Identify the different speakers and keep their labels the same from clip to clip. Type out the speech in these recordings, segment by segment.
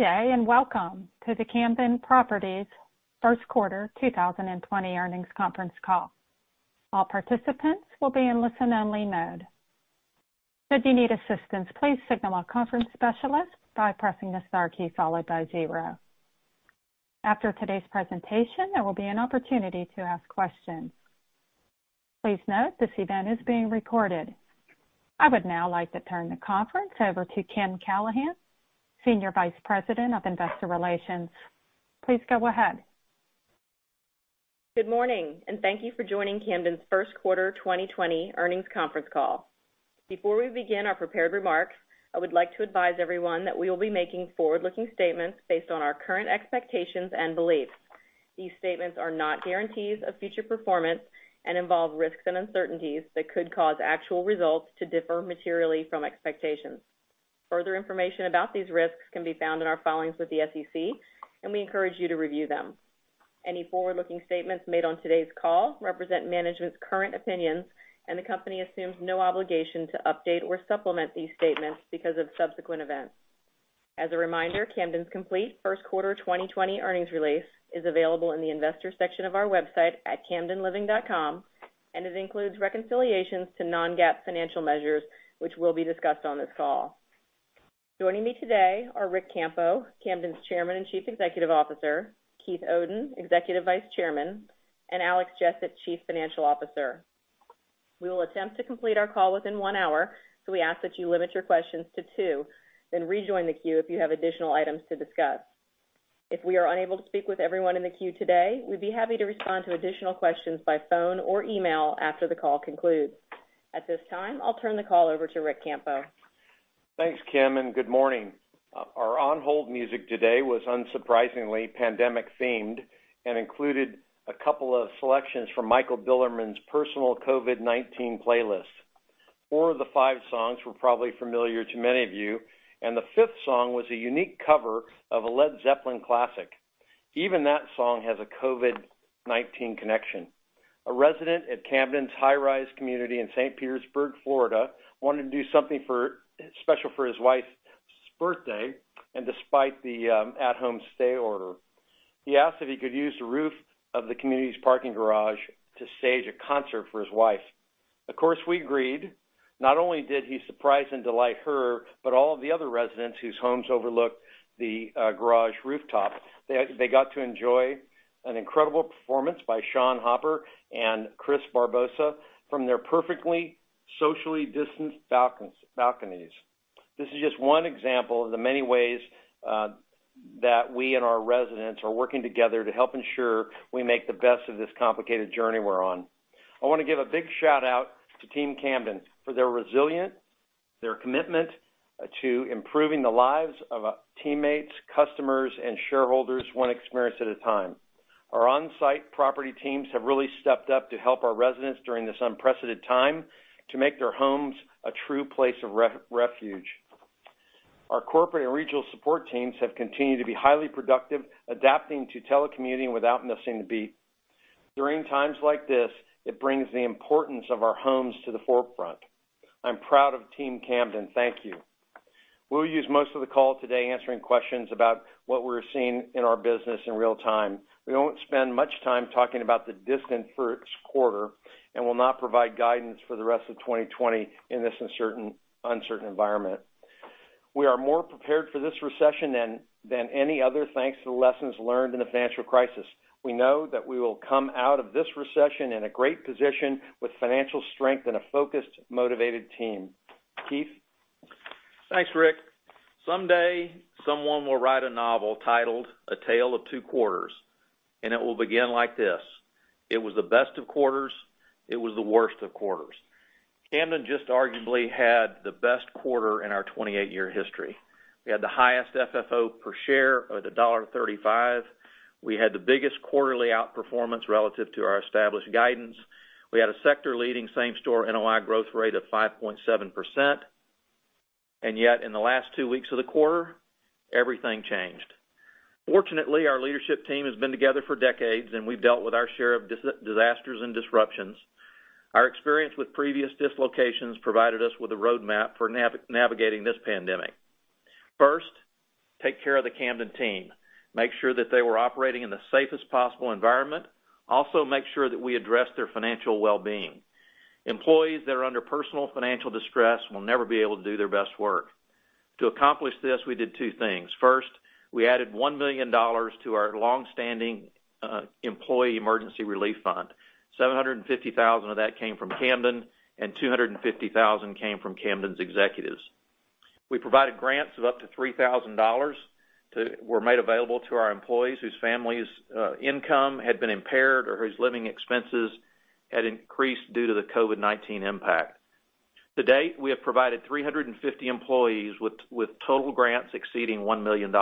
Speaker 1: Good day, and welcome to the Camden Property's First Quarter 2020 earnings conference call. I would now like to turn the conference over to Kim Callahan, Senior Vice President of Investor Relations. Please go ahead.
Speaker 2: Good morning, and thank you for joining Camden's first quarter 2020 earnings conference call. Before we begin our prepared remarks, I would like to advise everyone that we will be making forward-looking statements based on our current expectations and beliefs. These statements are not guarantees of future performance and involve risks and uncertainties that could cause actual results to differ materially from expectations. Further information about these risks can be found in our filings with the SEC, and we encourage you to review them. Any forward-looking statements made on today's call represent management's current opinions, and the company assumes no obligation to update or supplement these statements because of subsequent events. As a reminder, Camden's complete first quarter 2020 earnings release is available in the investor section of our website at camdenliving.com, and it includes reconciliations to non-GAAP financial measures, which will be discussed on this call. Joining me today are Ric Campo, Camden's Chairman and Chief Executive Officer, Keith Oden, Executive Vice Chairman, and Alex Jessett, Chief Financial Officer. We will attempt to complete our call within one hour. We ask that you limit your questions to two, then rejoin the queue if you have additional items to discuss. If we are unable to speak with everyone in the queue today, we'd be happy to respond to additional questions by phone or email after the call concludes. At this time, I'll turn the call over to Ric Campo.
Speaker 3: Thanks, Kim, and good morning. Our on-hold music today was unsurprisingly pandemic themed and included a couple of selections from Michael Bilerman's personal COVID-19 playlist. Four of the five songs were probably familiar to many of you, and the fifth song was a unique cover of a Led Zeppelin classic. Even that song has a COVID-19 connection. A resident at Camden's high-rise community in St. Petersburg, Florida, wanted to do something special for his wife's birthday, and despite the at-home stay order. He asked if he could use the roof of the community's parking garage to stage a concert for his wife. Of course, we agreed. Not only did he surprise and delight her, but all of the other residents whose homes overlook the garage rooftop. They got to enjoy an incredible performance by Sean Hopper and Chris Barbosa from their perfectly socially distanced balconies. This is just one example of the many ways that we and our residents are working together to help ensure we make the best of this complicated journey we're on. I want to give a big shout-out to Team Camden for their resilience, their commitment to improving the lives of teammates, customers, and shareholders one experience at a time. Our on-site property teams have really stepped up to help our residents during this unprecedented time to make their homes a true place of refuge. Our corporate and regional support teams have continued to be highly productive, adapting to telecommuting without missing a beat. During times like this, it brings the importance of our homes to the forefront. I'm proud of Team Camden. Thank you. We'll use most of the call today answering questions about what we're seeing in our business in real time. We won't spend much time talking about the distant first quarter and will not provide guidance for the rest of 2020 in this uncertain environment. We are more prepared for this recession than any other, thanks to the lessons learned in the financial crisis. We know that we will come out of this recession in a great position with financial strength and a focused, motivated team. Keith?
Speaker 4: Thanks, Ric. Someday, someone will write a novel titled "A Tale of Two Quarters," it will begin like this. It was the best of quarters, it was the worst of quarters. Camden just arguably had the best quarter in our 28-year history. We had the highest FFO per share of $1.35. We had the biggest quarterly outperformance relative to our established guidance. We had a sector-leading same store NOI growth rate of 5.7%. Yet, in the last two weeks of the quarter, everything changed. Fortunately, our leadership team has been together for decades, we've dealt with our share of disasters and disruptions. Our experience with previous dislocations provided us with a roadmap for navigating this pandemic. First, take care of Team Camden. Make sure that they were operating in the safest possible environment. Also, make sure that we address their financial well-being. Employees that are under personal financial distress will never be able to do their best work. To accomplish this, we did two things. First, we added $1 million to our longstanding employee emergency relief fund. $750,000 of that came from Camden, and $250,000 came from Camden's executives. We provided grants of up to $3,000 were made available to our employees whose family's income had been impaired or whose living expenses had increased due to the COVID-19 impact. To date, we have provided 350 employees with total grants exceeding $1 million.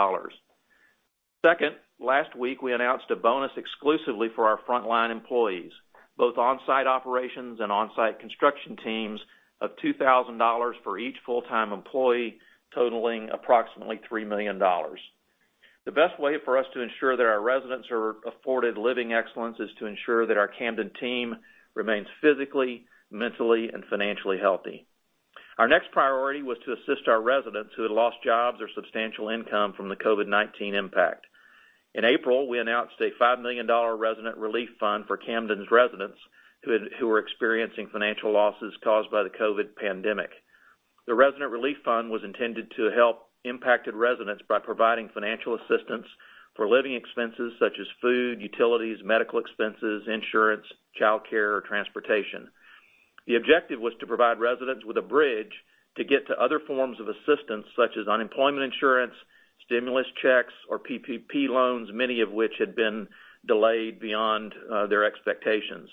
Speaker 4: Second, last week, we announced a bonus exclusively for our frontline employees, both on-site operations and on-site construction teams of $2,000 for each full-time employee, totaling approximately $3 million. The best way for us to ensure that our residents are afforded living excellence is to ensure that our Camden team remains physically, mentally, and financially healthy. Our next priority was to assist our residents who had lost jobs or substantial income from the COVID-19 impact. In April, we announced a $5 million Resident Relief Fund for Camden's residents who were experiencing financial losses caused by the COVID pandemic. The Resident Relief Fund was intended to help impacted residents by providing financial assistance for living expenses such as food, utilities, medical expenses, insurance, childcare, or transportation. The objective was to provide residents with a bridge to get to other forms of assistance, such as unemployment insurance, stimulus checks, or PPP loans, many of which had been delayed beyond their expectations.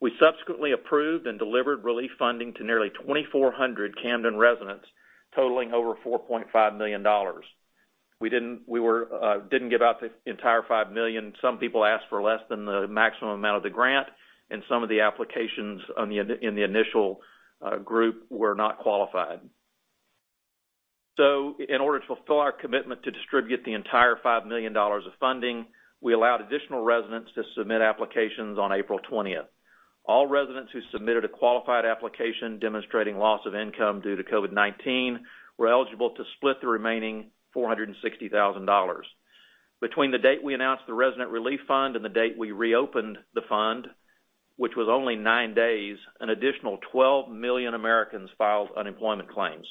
Speaker 4: We subsequently approved and delivered relief funding to nearly 2,400 Camden residents, totaling over $4.5 million. We didn't give out the entire $5 million. Some people asked for less than the maximum amount of the grant, and some of the applications in the initial group were not qualified. In order to fulfill our commitment to distribute the entire $5 million of funding, we allowed additional residents to submit applications on April 20th. All residents who submitted a qualified application demonstrating loss of income due to COVID-19 were eligible to split the remaining $460,000. Between the date we announced the Resident Relief Fund and the date we reopened the fund, which was only nine days, an additional 12 million Americans filed unemployment claims.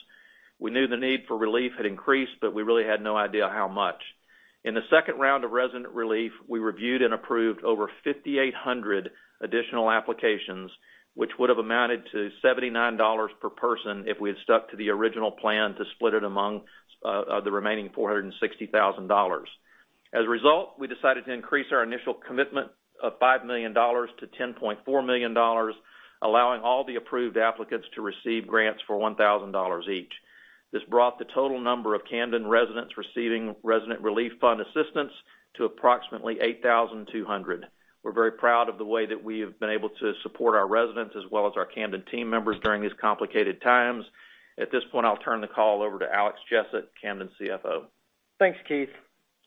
Speaker 4: We knew the need for relief had increased, but we really had no idea how much. In the second round of Resident Relief, we reviewed and approved over 5,800 additional applications, which would have amounted to $79 per person if we had stuck to the original plan to split it among the remaining $460,000. As a result, we decided to increase our initial commitment of $5 million to $10.4 million, allowing all the approved applicants to receive grants for $1,000 each. This brought the total number of Camden residents receiving Resident Relief Fund assistance to approximately 8,200. We're very proud of the way that we have been able to support our residents as well as our Camden team members during these complicated times. At this point, I'll turn the call over to Alex Jessett, Camden's CFO.
Speaker 5: Thanks, Keith.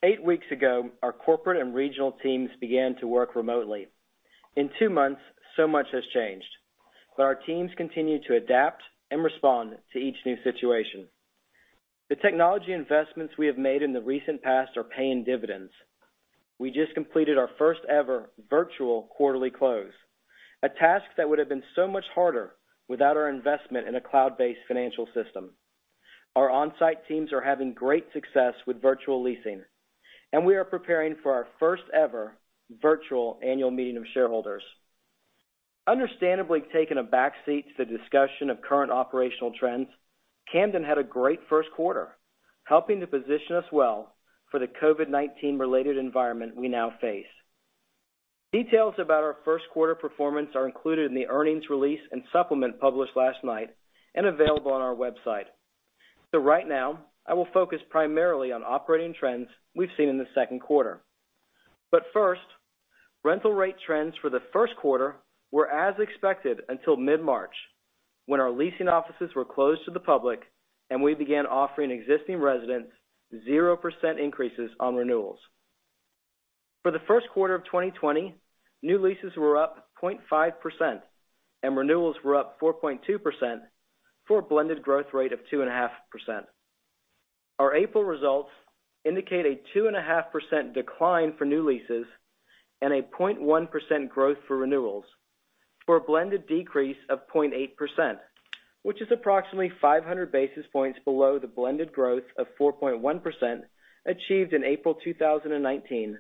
Speaker 5: Eight weeks ago, our corporate and regional teams began to work remotely. In two months, so much has changed, but our teams continue to adapt and respond to each new situation. The technology investments we have made in the recent past are paying dividends. We just completed our first-ever virtual quarterly close, a task that would have been so much harder without our investment in a cloud-based financial system. Our on-site teams are having great success with virtual leasing, and we are preparing for our first-ever virtual annual meeting of shareholders. Understandably taking a backseat to the discussion of current operational trends, Camden had a great first quarter, helping to position us well for the COVID-19 related environment we now face. Details about our first quarter performance are included in the earnings release and supplement published last night and available on our website. Right now, I will focus primarily on operating trends we've seen in the second quarter. First, rental rate trends for the first quarter were as expected until mid-March, when our leasing offices were closed to the public and we began offering existing residents 0% increases on renewals. For the first quarter of 2020, new leases were up 0.5%, and renewals were up 4.2% for a blended growth rate of 2.5%. Our April results indicate a 2.5% decline for new leases and a 0.1% growth for renewals for a blended decrease of 0.8%, which is approximately 500 basis points below the blended growth of 4.1% achieved in April 2019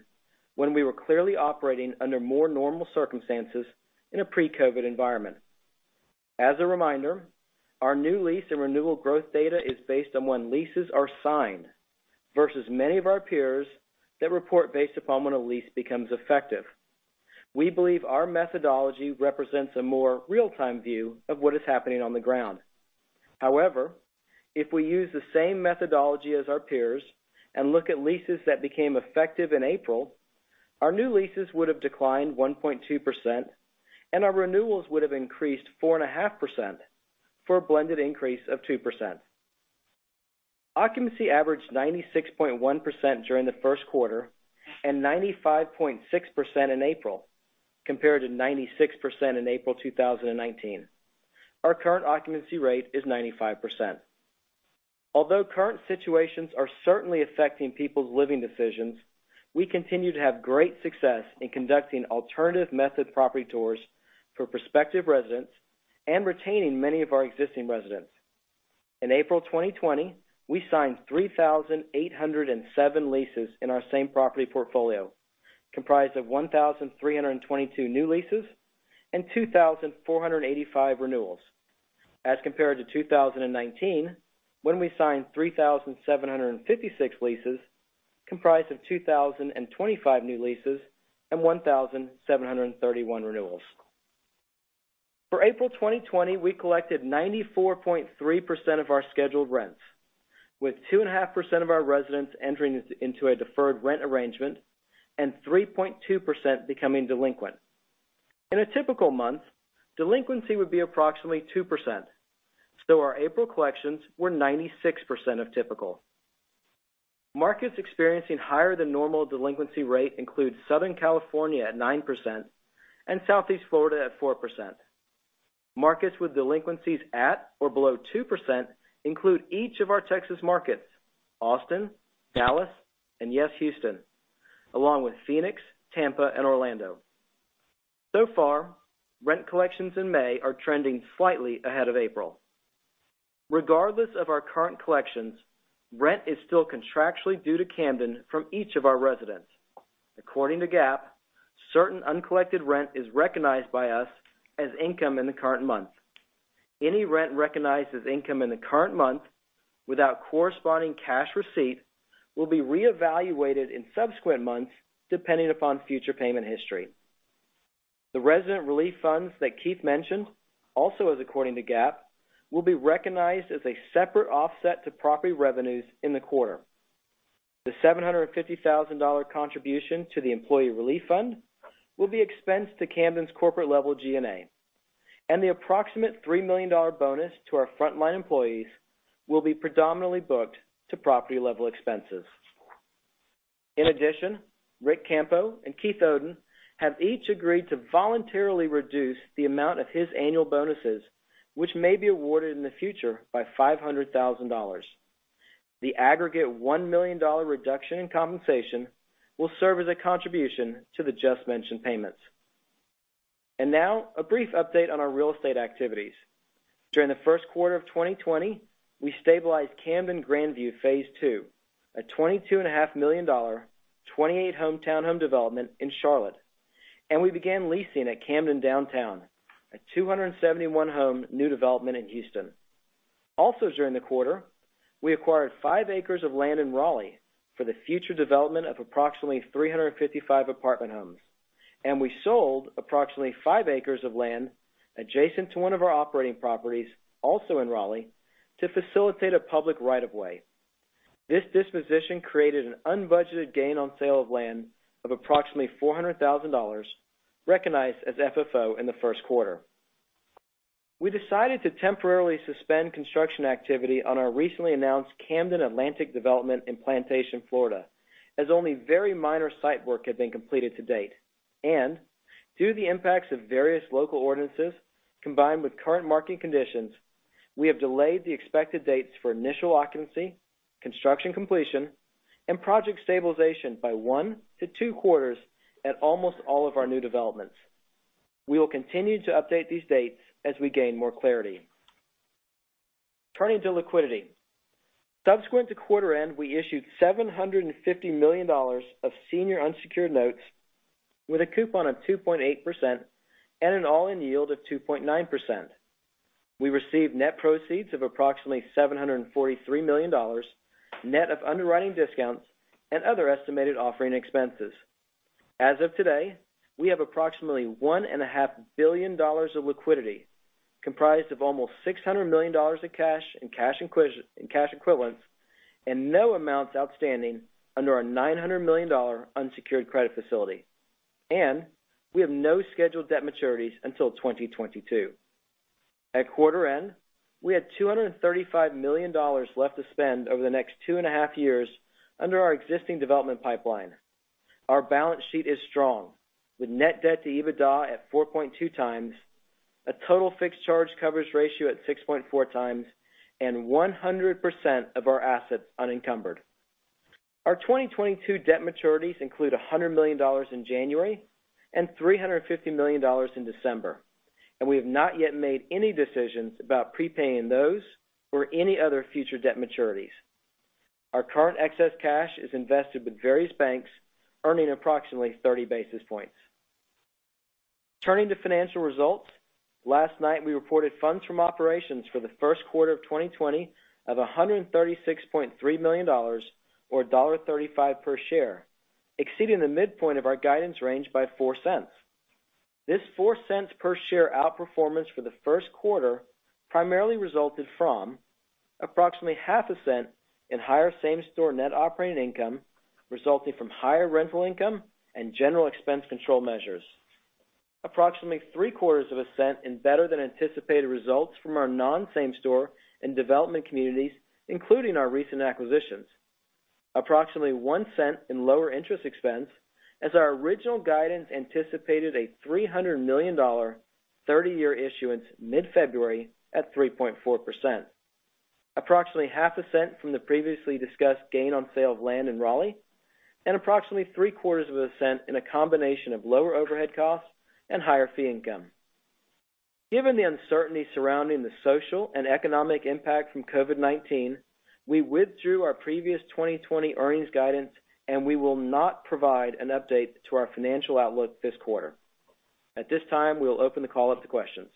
Speaker 5: when we were clearly operating under more normal circumstances in a pre-COVID environment. As a reminder, our new lease and renewal growth data is based on when leases are signed versus many of our peers that report based upon when a lease becomes effective. We believe our methodology represents a more real-time view of what is happening on the ground. If we use the same methodology as our peers and look at leases that became effective in April, our new leases would have declined 1.2% and our renewals would have increased 4.5% for a blended increase of 2%. Occupancy averaged 96.1% during the first quarter and 95.6% in April, compared to 96% in April 2019. Our current occupancy rate is 95%. Although current situations are certainly affecting people's living decisions, we continue to have great success in conducting alternative method property tours for prospective residents and retaining many of our existing residents. In April 2020, we signed 3,807 leases in our same property portfolio, comprised of 1,322 new leases and 2,485 renewals, as compared to 2019, when we signed 3,756 leases, comprised of 2,025 new leases and 1,731 renewals. For April 2020, we collected 94.3% of our scheduled rents, with 2.5% of our residents entering into a deferred rent arrangement and 3.2% becoming delinquent. In a typical month, delinquency would be approximately 2%, so our April collections were 96% of typical. Markets experiencing higher than normal delinquency rate include Southern California at 9% and Southeast Florida at 4%. Markets with delinquencies at or below 2% include each of our Texas markets, Austin, Dallas, and yes, Houston, along with Phoenix, Tampa, and Orlando. So far, rent collections in May are trending slightly ahead of April. Regardless of our current collections, rent is still contractually due to Camden from each of our residents. According to GAAP, certain uncollected rent is recognized by us as income in the current month. Any rent recognized as income in the current month without corresponding cash receipt will be reevaluated in subsequent months, depending upon future payment history. The Resident Relief Funds that Keith mentioned, also as according to GAAP, will be recognized as a separate offset to property revenues in the quarter. The $750,000 contribution to the employee relief fund will be expensed to Camden's corporate level G&A. The approximate $3 million bonus to our frontline employees will be predominantly booked to property-level expenses. In addition, Ric Campo and Keith Oden have each agreed to voluntarily reduce the amount of his annual bonuses, which may be awarded in the future by $500,000. The aggregate $1 million reduction in compensation will serve as a contribution to the just-mentioned payments. Now a brief update on our real estate activities. During the first quarter of 2020, we stabilized Camden Grandview phase two, a $22.5 million 28-home townhome development in Charlotte, and we began leasing at Camden Downtown, a 271-home new development in Houston. Also during the quarter, we acquired five acres of land in Raleigh for the future development of approximately 355 apartment homes, and we sold approximately five acres of land adjacent to one of our operating properties, also in Raleigh, to facilitate a public right of way. This disposition created an unbudgeted gain on sale of land of approximately $400,000 recognized as FFO in the first quarter. We decided to temporarily suspend construction activity on our recently announced Camden Atlantic development in Plantation, Florida, as only very minor site work had been completed to date. Due to the impacts of various local ordinances, combined with current market conditions, we have delayed the expected dates for initial occupancy, construction completion, and project stabilization by one to two quarters at almost all of our new developments. We will continue to update these dates as we gain more clarity. Turning to liquidity. Subsequent to quarter end, we issued $750 million of senior unsecured notes with a coupon of 2.8% and an all-in yield of 2.9%. We received net proceeds of approximately $743 million, net of underwriting discounts and other estimated offering expenses. As of today, we have approximately $1.5 billion of liquidity, comprised of almost $600 million in cash equivalents and no amounts outstanding under our $900 million unsecured credit facility. We have no scheduled debt maturities until 2022. At quarter end, we had $235 million left to spend over the next two and a half years under our existing development pipeline. Our balance sheet is strong, with net debt to EBITDA at 4.2x, a total fixed charge coverage ratio at 6.4x, and 100% of our assets unencumbered. Our 2022 debt maturities include $100 million in January and $350 million in December, and we have not yet made any decisions about prepaying those or any other future debt maturities. Our current excess cash is invested with various banks, earning approximately 30 basis points. Turning to financial results. Last night, we reported funds from operations for the first quarter of 2020 of $136.3 million, or $1.35 per share, exceeding the midpoint of our guidance range by $0.04. This $0.04 per share outperformance for the first quarter primarily resulted from approximately $0.005 in higher same-store NOI, resulting from higher rental income and general expense control measures. Approximately $0.0075 in better-than-anticipated results from our non-same-store and development communities, including our recent acquisitions. Approximately $0.01 in lower interest expense, as our original guidance anticipated a $300 million 30-year issuance mid-February at 3.4%. Approximately $0.005 from the previously discussed gain on sale of land in Raleigh, approximately $0.0075 in a combination of lower overhead costs and higher fee income. Given the uncertainty surrounding the social and economic impact from COVID-19, we withdrew our previous 2020 earnings guidance, we will not provide an update to our financial outlook this quarter. At this time, we'll open the call up to questions.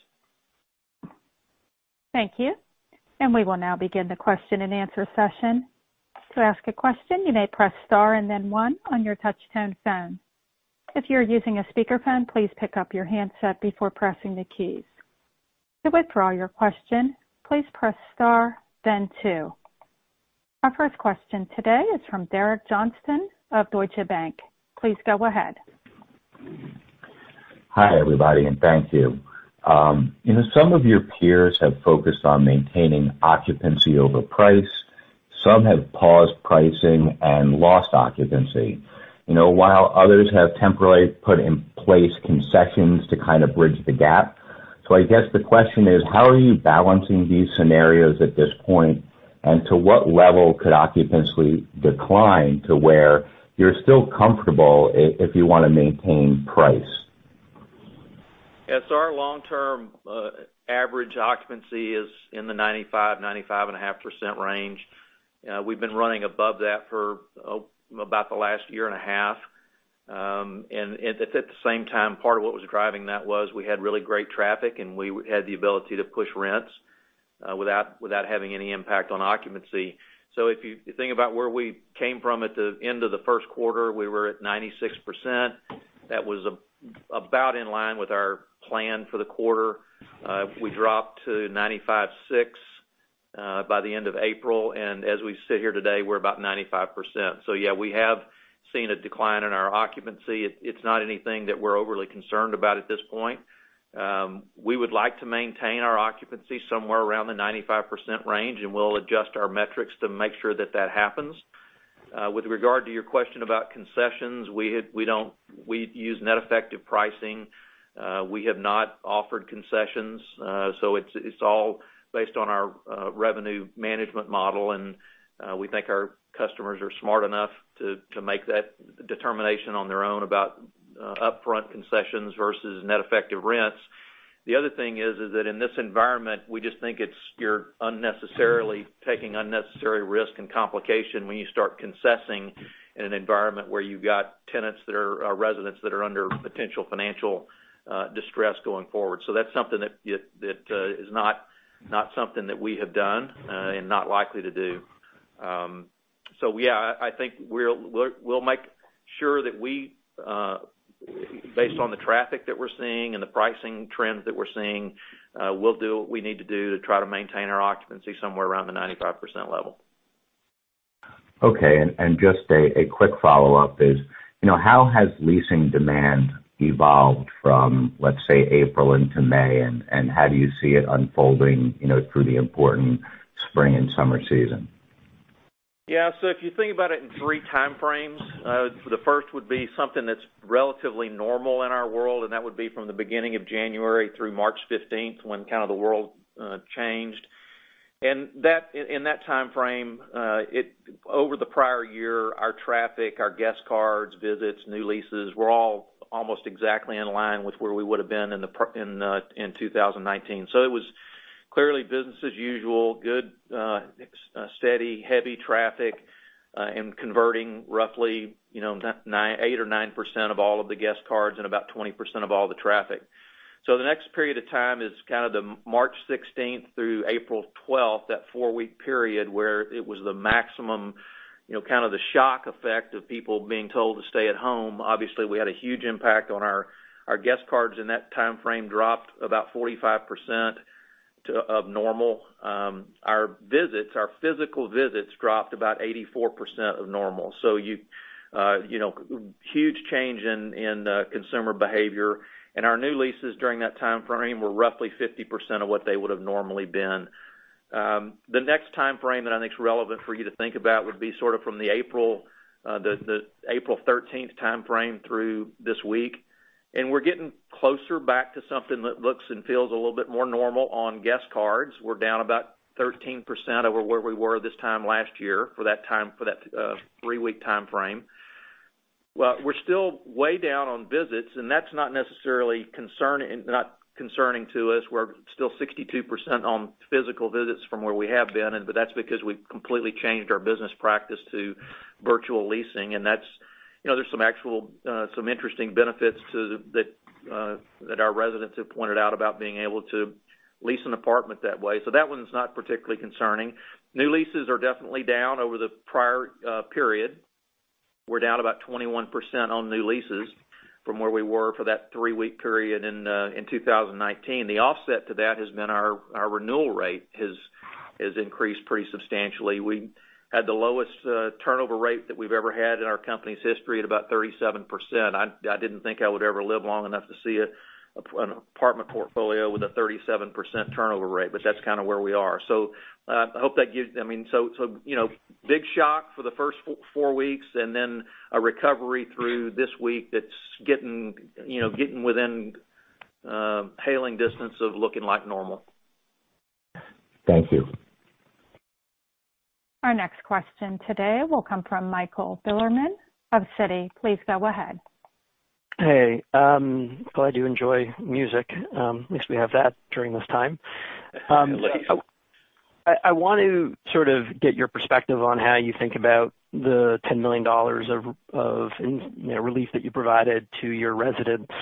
Speaker 1: Our first question today is from Derek Johnston of Deutsche Bank. Please go ahead.
Speaker 6: Hi, everybody, and thank you. Some of your peers have focused on maintaining occupancy over price. Some have paused pricing and lost occupancy, while others have temporarily put in place concessions to kind of bridge the gap. I guess the question is, how are you balancing these scenarios at this point, and to what level could occupancy decline to where you're still comfortable if you want to maintain price?
Speaker 4: Yes. Our long-term average occupancy is in the 95%, 95.5% range. We've been running above that for about the last year and a half. At the same time, part of what was driving that was we had really great traffic, and we had the ability to push rents without having any impact on occupancy. If you think about where we came from at the end of the first quarter, we were at 96%. That was about in line with our plan for the quarter. We dropped to 95.6% by the end of April, and as we sit here today, we're about 95%. Yeah, we have seen a decline in our occupancy. It's not anything that we're overly concerned about at this point. We would like to maintain our occupancy somewhere around the 95% range, and we'll adjust our metrics to make sure that that happens. With regard to your question about concessions, we use net effective pricing. We have not offered concessions. It's all based on our revenue management model, and we think our customers are smart enough to make that determination on their own about upfront concessions versus net effective rents. The other thing is that in this environment, we just think you're unnecessarily taking unnecessary risk and complication when you start concessing in an environment where you've got tenants that are residents that are under potential financial distress going forward. That's something that is not something that we have done and not likely to do. Yeah, I think we'll make sure that based on the traffic that we're seeing and the pricing trends that we're seeing, we'll do what we need to do to try to maintain our occupancy somewhere around the 95% level.
Speaker 6: Okay. Just a quick follow-up is, how has leasing demand evolved from, let's say, April into May, and how do you see it unfolding through the important spring and summer season?
Speaker 4: Yeah. If you think about it in 3x frames, the first would be something that's relatively normal in our world, and that would be from the beginning of January through March 15th, when kind of the world changed. In that time frame, over the prior year, our traffic, our guest cards, visits, new leases were all almost exactly in line with where we would've been in 2019. It was clearly business as usual, good, steady, heavy traffic, and converting roughly 8% or 9% of all of the guest cards and about 20% of all the traffic. The next period of time is kind of the March 16th through April 12th, that four-week period where it was the maximum, kind of the shock effect of people being told to stay at home. We had a huge impact on our guest cards in that time frame, dropped about 45% of normal. Our visits, our physical visits dropped about 84% of normal. It was a huge change in consumer behavior. Our new leases during that time frame were roughly 50% of what they would've normally been. The next time frame that I think is relevant for you to think about would be sort of from the April 13th time frame through this week. We're getting closer back to something that looks and feels a little bit more normal on guest cards. We're down about 13% over where we were this time last year for that three-week time frame. Well, we're still way down on visits, and that's not necessarily concerning to us. We're still 62% on physical visits from where we have been. That's because we've completely changed our business practice to virtual leasing. There's some interesting benefits that our residents have pointed out about being able to lease an apartment that way. That one's not particularly concerning. New leases are definitely down over the prior period. We're down about 21% on new leases from where we were for that three-week period in 2019. The offset to that has been our renewal rate has increased pretty substantially. We had the lowest turnover rate that we've ever had in our company's history at about 37%. I didn't think I would ever live long enough to see an apartment portfolio with a 37% turnover rate. That's kind of where we are. Big shock for the first four weeks, and then a recovery through this week that's getting within hailing distance of looking like normal.
Speaker 6: Thank you.
Speaker 1: Our next question today will come from Michael Bilerman of Citi. Please go ahead.
Speaker 7: Hey. I'm glad you enjoy music. At least we have that during this time.
Speaker 4: At least.
Speaker 7: I want to sort of get your perspective on how you think about the $10 million of relief that you provided to your residents.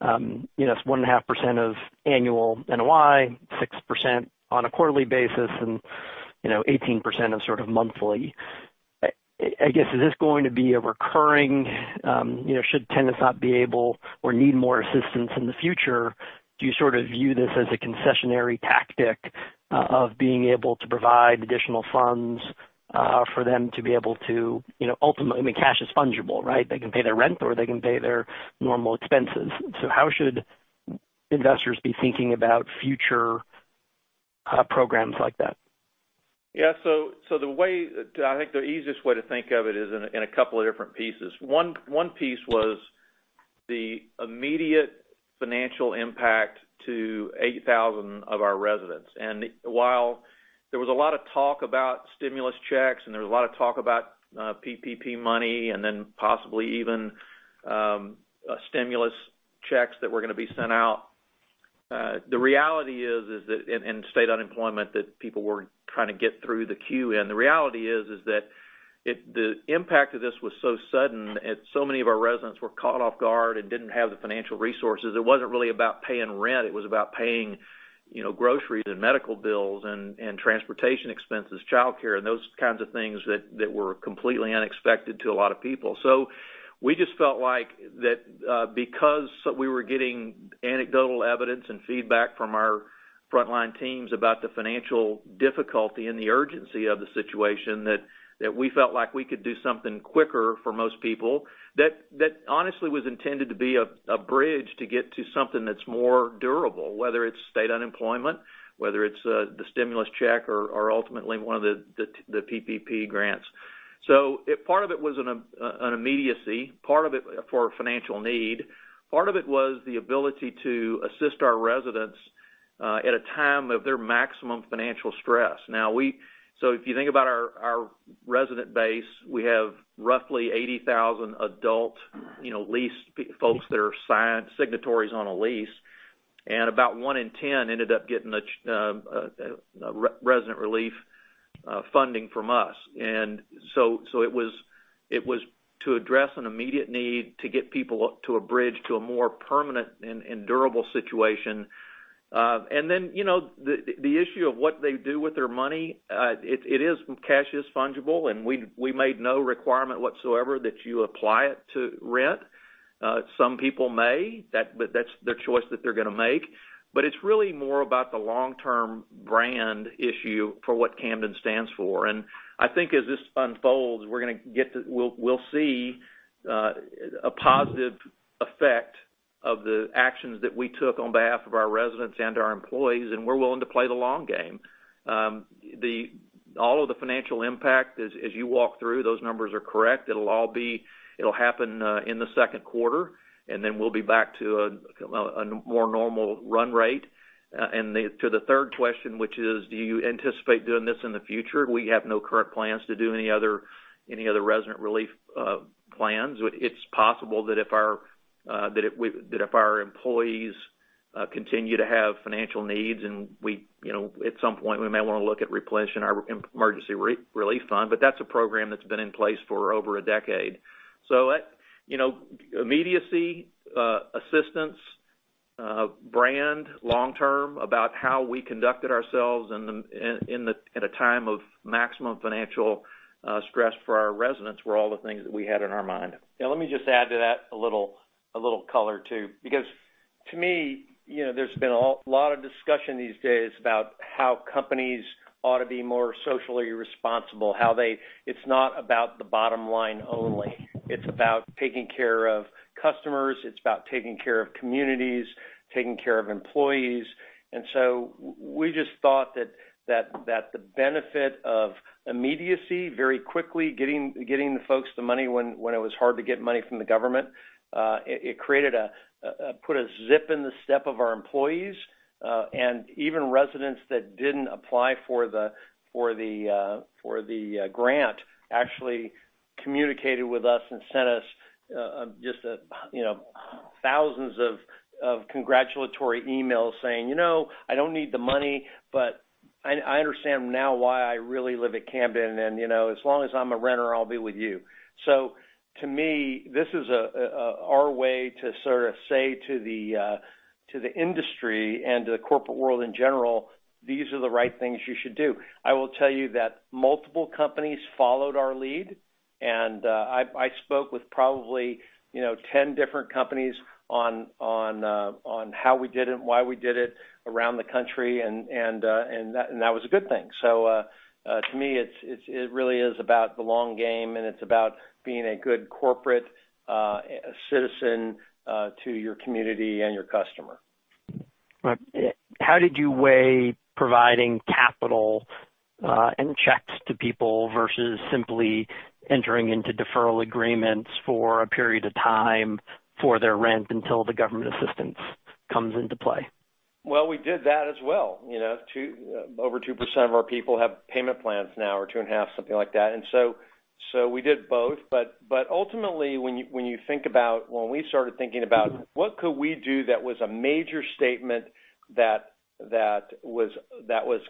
Speaker 7: It's 1.5% of annual NOI, 6% on a quarterly basis, and 18% of sort of monthly. I guess, should tenants not be able or need more assistance in the future, do you sort of view this as a concessionary tactic of being able to provide additional funds for them to be able to ultimately I mean, cash is fungible, right? They can pay their rent, or they can pay their normal expenses. How should investors be thinking about future programs like that?
Speaker 4: Yeah. I think the easiest way to think of it is in a couple of different pieces. One piece was the immediate financial impact to 8,000 of our residents. While there was a lot of talk about stimulus checks, and there was a lot of talk about PPP money, and then possibly even stimulus checks that were going to be sent out, and state unemployment that people were trying to get through the queue in. The reality is that the impact of this was so sudden, and so many of our residents were caught off guard and didn't have the financial resources. It wasn't really about paying rent, it was about paying groceries and medical bills and transportation expenses, childcare, and those kinds of things that were completely unexpected to a lot of people. We just felt like that because we were getting anecdotal evidence and feedback from our frontline teams about the financial difficulty and the urgency of the situation, that we felt like we could do something quicker for most people. That honestly was intended to be a bridge to get to something that's more durable, whether it's state unemployment, whether it's the stimulus check, or ultimately one of the PPP grants. Part of it was an immediacy for financial need. Part of it was the ability to assist our residents at a time of their maximum financial stress. If you think about our resident base, we have roughly 80,000 adult leased folks that are signatories on a lease, and about one in 10 ended up getting resident relief funding from us. It was to address an immediate need to get people to a bridge to a more permanent and durable situation. Then the issue of what they do with their money, cash is fungible, and we made no requirement whatsoever that you apply it to rent. Some people may. That's their choice that they're going to make. It's really more about the long-term brand issue for what Camden stands for. I think as this unfolds, we'll see a positive effect of the actions that we took on behalf of our residents and our employees, and we're willing to play the long game. All of the financial impact as you walk through, those numbers are correct. It'll happen in the second quarter, and then we'll be back to a more normal run rate. To the third question, which is, do you anticipate doing this in the future? We have no current plans to do any other resident relief plans. It's possible that if our employees continue to have financial needs, at some point, we may want to look at replenishing our emergency relief fund. That's a program that's been in place for over a decade. Immediacy, assistance, brand long-term about how we conducted ourselves at a time of maximum financial stress for our residents were all the things that we had in our mind.
Speaker 3: Yeah, let me just add to that a little color, too. Because to me, there's been a lot of discussion these days about how companies ought to be more socially responsible, how it's not about the bottom line only. It's about taking care of customers. It's about taking care of communities, taking care of employees. We just thought that the benefit of immediacy, very quickly getting the folks the money when it was hard to get money from the government, it put a zip in the step of our employees. Even residents that didn't apply for the grant actually communicated with us and sent us just thousands of congratulatory emails saying, "I don't need the money, but I understand now why I really live at Camden, and as long as I'm a renter, I'll be with you." To me, this is our way to sort of say to the industry and the corporate world in general, these are the right things you should do. I will tell you that multiple companies followed our lead, and I spoke with probably 10 different companies on how we did it, why we did it around the country, and that was a good thing. To me, it really is about the long game, and it's about being a good corporate citizen to your community and your customer.
Speaker 7: How did you weigh providing capital and checks to people versus simply entering into deferral agreements for a period of time for their rent until the government assistance comes into play?
Speaker 3: Well, we did that as well. Over 2% of our people have payment plans now, or two and a half, something like that. We did both. Ultimately, when we started thinking about what could we do that was a major statement that was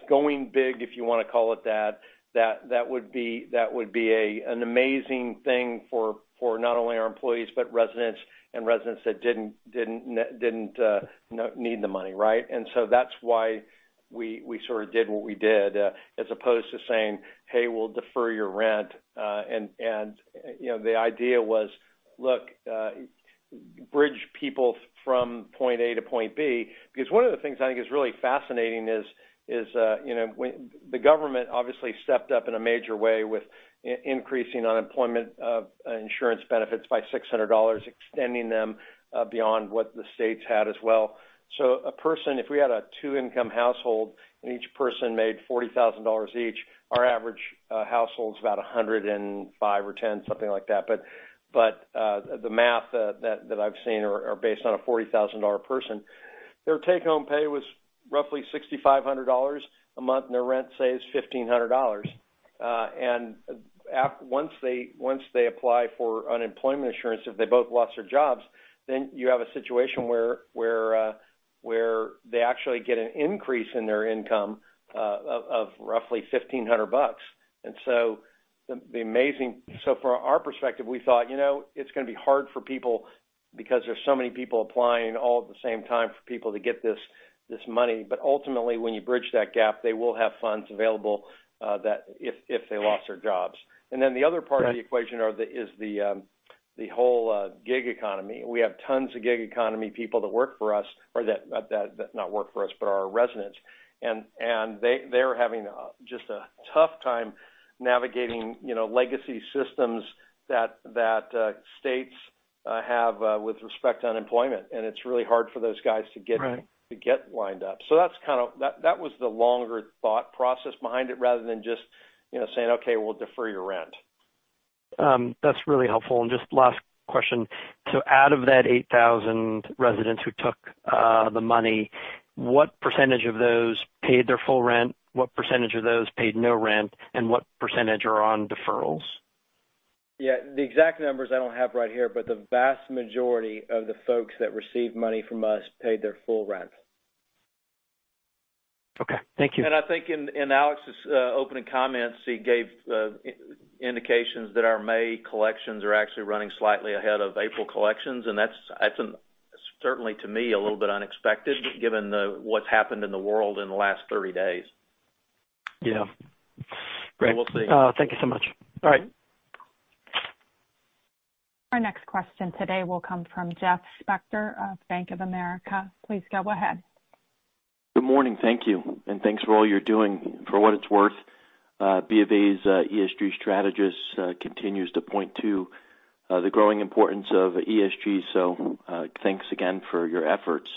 Speaker 3: going big, if you want to call it that would be an amazing thing for not only our employees, but residents and residents that didn't need the money, right? That's why we sort of did what we did, as opposed to saying, "Hey, we'll defer your rent." The idea was, look. Bridge people from point A to point B. One of the things I think is really fascinating is, the government obviously stepped up in a major way with increasing unemployment insurance benefits by $600, extending them beyond what the states had as well. A person, if we had a two-income household, and each person made $40,000 each, our average household is about $105,000 or $110,000, something like that. The math that I've seen are based on a $40,000 person. Their take-home pay was roughly $6,500 a month, and their rent, say, is $1,500. Once they apply for unemployment insurance, if they both lost their jobs, then you have a situation where they actually get an increase in their income of roughly $1,500. From our perspective, we thought, it's going to be hard for people because there's so many people applying all at the same time for people to get this money. Ultimately, when you bridge that gap, they will have funds available if they lost their jobs. The other part of the equation is the whole gig economy. We have tons of gig economy people that work for us, not work for us, but our residents. They're having just a tough time navigating legacy systems that states have with respect to unemployment. It's really hard for those guys to get.
Speaker 7: Right
Speaker 3: to get lined up. That was the longer thought process behind it rather than just saying, "Okay, we'll defer your rent.
Speaker 7: That's really helpful. Just last question. Out of that 8,000 residents who took the money, what % of those paid their full rent? What % of those paid no rent? What % are on deferrals?
Speaker 3: The exact numbers I don't have right here, but the vast majority of the folks that received money from us paid their full rent.
Speaker 7: Okay. Thank you.
Speaker 3: I think in Alex's opening comments, he gave indications that our May collections are actually running slightly ahead of April collections, and that's certainly to me, a little bit unexpected given what's happened in the world in the last 30 days.
Speaker 7: Yeah. Great.
Speaker 3: We'll see.
Speaker 7: Thank you so much.
Speaker 3: All right.
Speaker 1: Our next question today will come from Jeffrey Spector of Bank of America. Please go ahead.
Speaker 8: Good morning. Thank you. Thanks for all you're doing. For what it's worth, Bank of America's ESG strategist continues to point to the growing importance of ESG, thanks again for your efforts.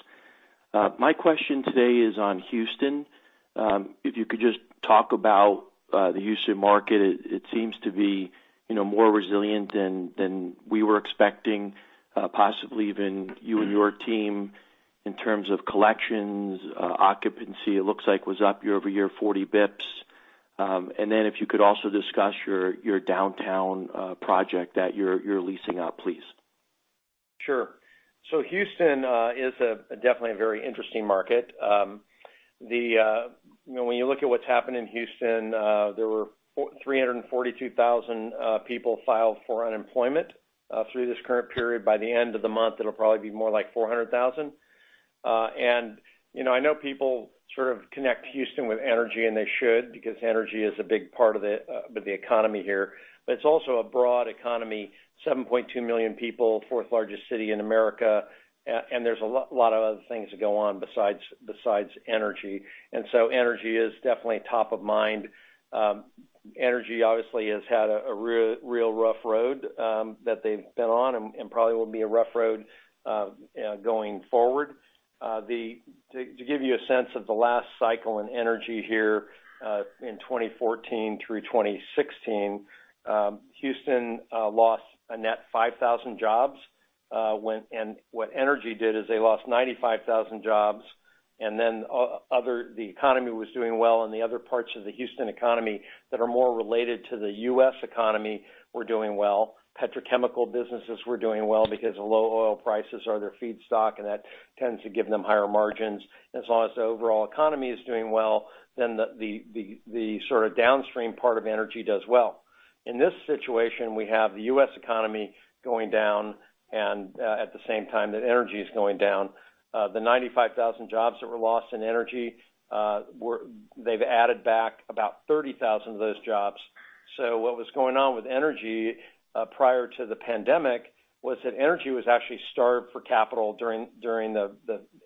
Speaker 8: My question today is on Houston. If you could just talk about the Houston market, it seems to be more resilient than we were expecting, possibly even you and your team, in terms of collections. Occupancy, it looks like was up year-over-year, 40 basis points. Then if you could also discuss your downtown project that you're leasing out, please.
Speaker 3: Sure. Houston is definitely a very interesting market. When you look at what's happened in Houston, there were 342,000 people filed for unemployment through this current period. By the end of the month, it'll probably be more like 400,000. I know people sort of connect Houston with energy, and they should, because energy is a big part of the economy here. It's also a broad economy, 7.2 million people, fourth largest city in America, and there's a lot of other things that go on besides energy. Energy is definitely top of mind. Energy obviously has had a real rough road that they've been on, and probably will be a rough road going forward. To give you a sense of the last cycle in energy here, in 2014 through 2016, Houston lost a net 5,000 jobs. What energy did is they lost 95,000 jobs, then the economy was doing well in the other parts of the Houston economy that are more related to the U.S. economy, were doing well. Petrochemical businesses were doing well because low oil prices are their feedstock, and that tends to give them higher margins. As the overall economy is doing well, then the sort of downstream part of energy does well. In this situation, we have the U.S. economy going down and at the same time, the energy is going down. The 95,000 jobs that were lost in energy, they've added back about 30,000 of those jobs. What was going on with energy prior to the pandemic was that energy was actually starved for capital during the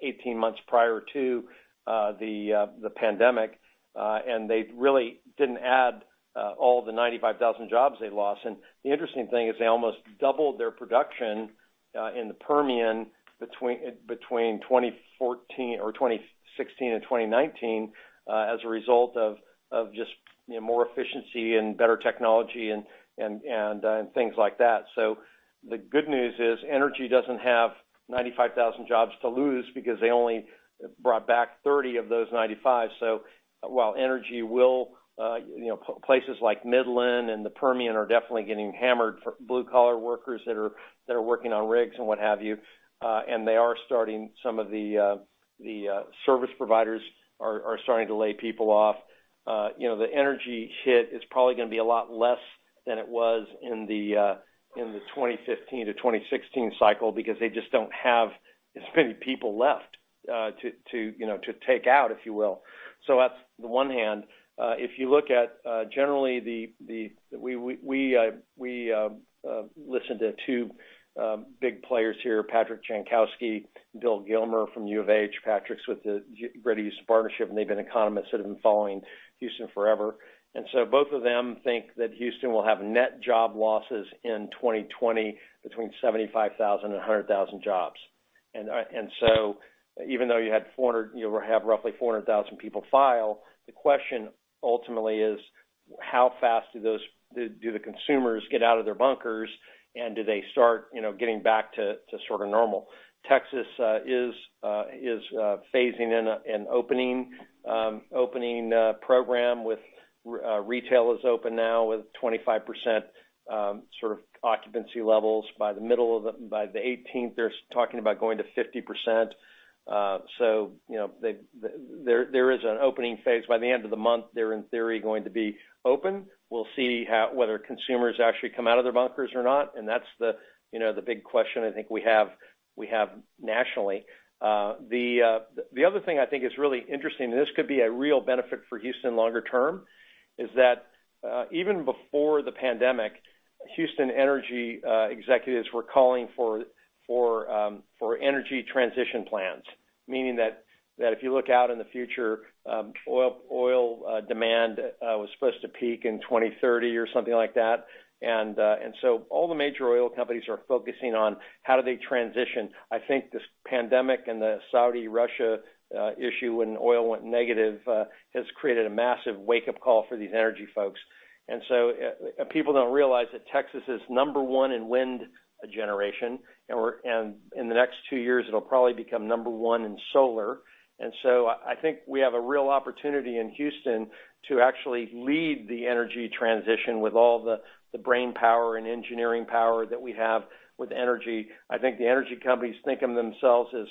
Speaker 3: 18 months prior to the pandemic. They really didn't add all the 95,000 jobs they lost. The interesting thing is they almost doubled their production in the Permian between 2016 and 2019 as a result of just more efficiency and better technology and things like that. The good news is energy doesn't have 95,000 jobs to lose because they only brought back 30 of those 95. While energy, places like Midland and the Permian are definitely getting hammered for blue collar workers that are working on rigs and what have you. They are starting, some of the service providers are starting to lay people off. The energy hit is probably going to be a lot less than it was in the 2015 to 2016 cycle because they just don't have. There's many people left to take out, if you will. That's the one hand. If you look at, generally, we listened to two big players here, Patrick Jankowski and Bill Gilmer from U of H. Patrick's with the Greater Houston Partnership, and they've been economists that have been following Houston forever. Both of them think that Houston will have net job losses in 2020 between 75,000 and 100,000 jobs. Even though you have roughly 400,000 people file, the question ultimately is: how fast do the consumers get out of their bunkers, and do they start getting back to sort of normal? Texas is phasing in an opening program with retail is open now with 25% sort of occupancy levels. By the 18th, they're talking about going to 50%. There is an opening phase. By the end of the month, they're, in theory, going to be open. We'll see whether consumers actually come out of their bunkers or not, and that's the big question I think we have nationally. The other thing I think is really interesting, and this could be a real benefit for Houston longer term, is that even before the pandemic, Houston energy executives were calling for energy transition plans, meaning that if you look out in the future, oil demand was supposed to peak in 2030 or something like that. All the major oil companies are focusing on how do they transition. I think this pandemic and the Saudi-Russia issue when oil went negative, has created a massive wake-up call for these energy folks. People don't realize that Texas is number one in wind generation, and in the next two years, it'll probably become number one in solar. I think we have a real opportunity in Houston to actually lead the energy transition with all the brain power and engineering power that we have with energy. I think the energy companies think of themselves as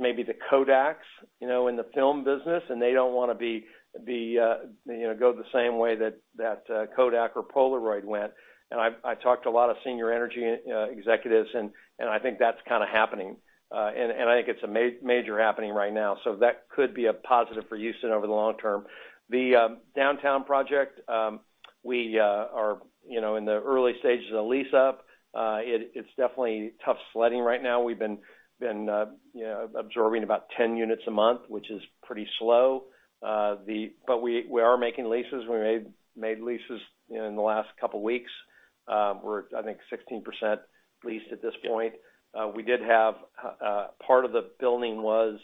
Speaker 3: maybe the Kodaks in the film business, and they don't want to go the same way that Kodak or Polaroid went. I talked to a lot of senior energy executives, and I think that's kind of happening. I think it's a major happening right now. That could be a positive for Houston over the long term. The Downtown Project, we are in the early stages of lease-up. It's definitely tough sledding right now. We've been absorbing about 10 units a month, which is pretty slow. We are making leases. We made leases in the last couple of weeks. We're, I think, 16% leased at this point. Part of the building was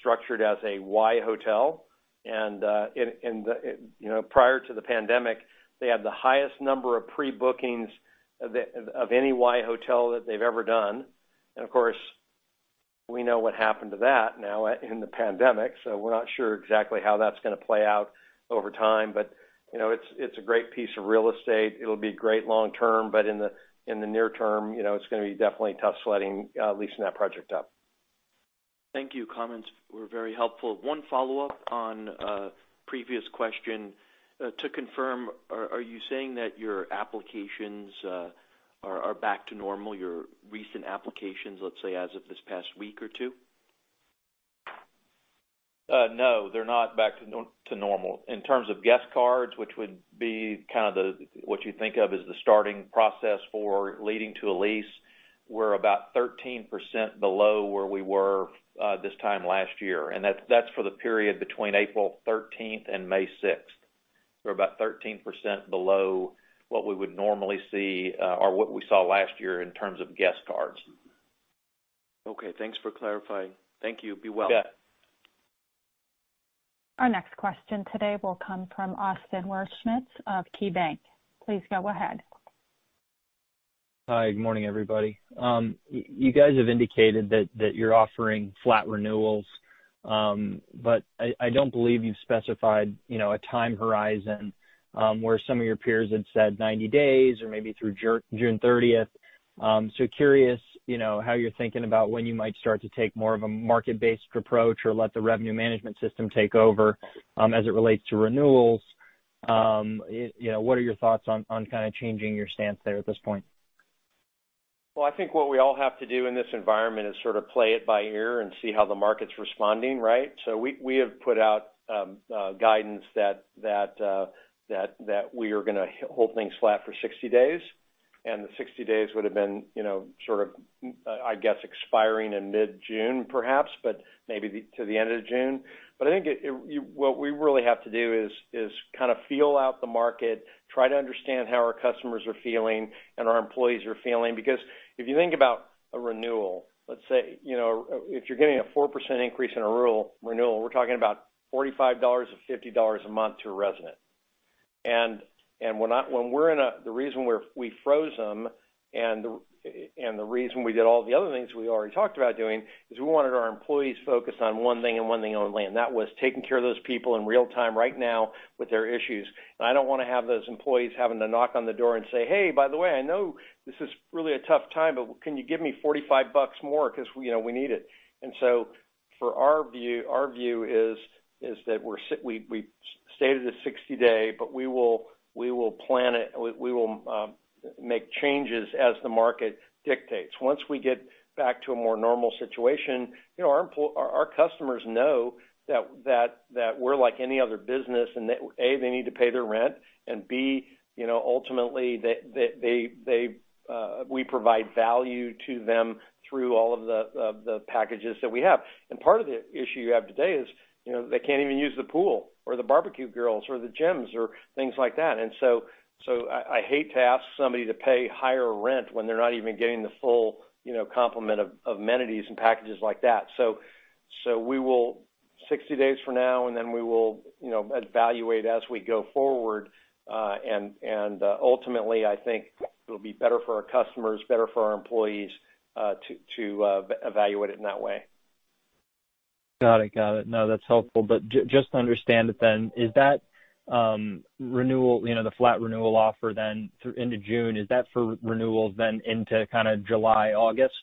Speaker 3: structured as a YOTEL, prior to the pandemic, they had the highest number of pre-bookings of any YOTEL that they've ever done. Of course, we know what happened to that now in the pandemic, we're not sure exactly how that's going to play out over time. It's a great piece of real estate. It'll be great long term, in the near term, it's going to be definitely tough sledding leasing that project up.
Speaker 8: Thank you. Comments were very helpful. One follow-up on a previous question. To confirm, are you saying that your applications are back to normal, your recent applications, let's say, as of this past week or two?
Speaker 3: No, they're not back to normal. In terms of guest cards, which would be kind of what you think of as the starting process for leading to a lease, we're about 13% below where we were this time last year. That's for the period between April 13th and May 6th. We're about 13% below what we would normally see or what we saw last year in terms of guest cards.
Speaker 8: Okay, thanks for clarifying. Thank you. Be well.
Speaker 3: Yeah.
Speaker 1: Our next question today will come from Austin Wurschmidt of KeyBanc. Please go ahead.
Speaker 9: Hi. Good morning, everybody. You guys have indicated that you're offering flat renewals, but I don't believe you've specified a time horizon, where some of your peers had said 90 days or maybe through June 30th. Curious, how you're thinking about when you might start to take more of a market-based approach or let the revenue management system take over as it relates to renewals. What are your thoughts on kind of changing your stance there at this point?
Speaker 3: Well, I think what we all have to do in this environment is sort of play it by ear and see how the market's responding, right? We have put out guidance that we are going to hold things flat for 60 days, and the 60 days would've been sort of, I guess, expiring in mid-June, perhaps, but maybe to the end of June. I think what we really have to do is kind of feel out the market, try to understand how our customers are feeling and our employees are feeling. Because if you think about a renewal, let's say, if you're getting a 4% increase in a renewal, we're talking about $45 or $50 a month to a resident. The reason we froze them and the reason we did all the other things we already talked about doing is we wanted our employees focused on one thing and one thing only, and that was taking care of those people in real-time right now with their issues. I don't want to have those employees having to knock on the door and say, "Hey, by the way, I know this is really a tough time, but can you give me $45 more because we need it?" For our view, our view is that we've stated a 60-day, but we will plan it. We will make changes as the market dictates. Once we get back to a more normal situation, our customers know that we're like any other business, and that, A, they need to pay their rent, and B, ultimately, we provide value to them through all of the packages that we have. Part of the issue you have today is, they can't even use the pool or the barbecue grills or the gyms or things like that. I hate to ask somebody to pay higher rent when they're not even getting the full complement of amenities and packages like that. We will 60 days from now, and then we will evaluate as we go forward. Ultimately, I think it'll be better for our customers, better for our employees, to evaluate it in that way.
Speaker 9: Got it. No, that's helpful. Just to understand it then, is that renewal, the flat renewal offer then through end of June, is that for renewals then into kind of July, August,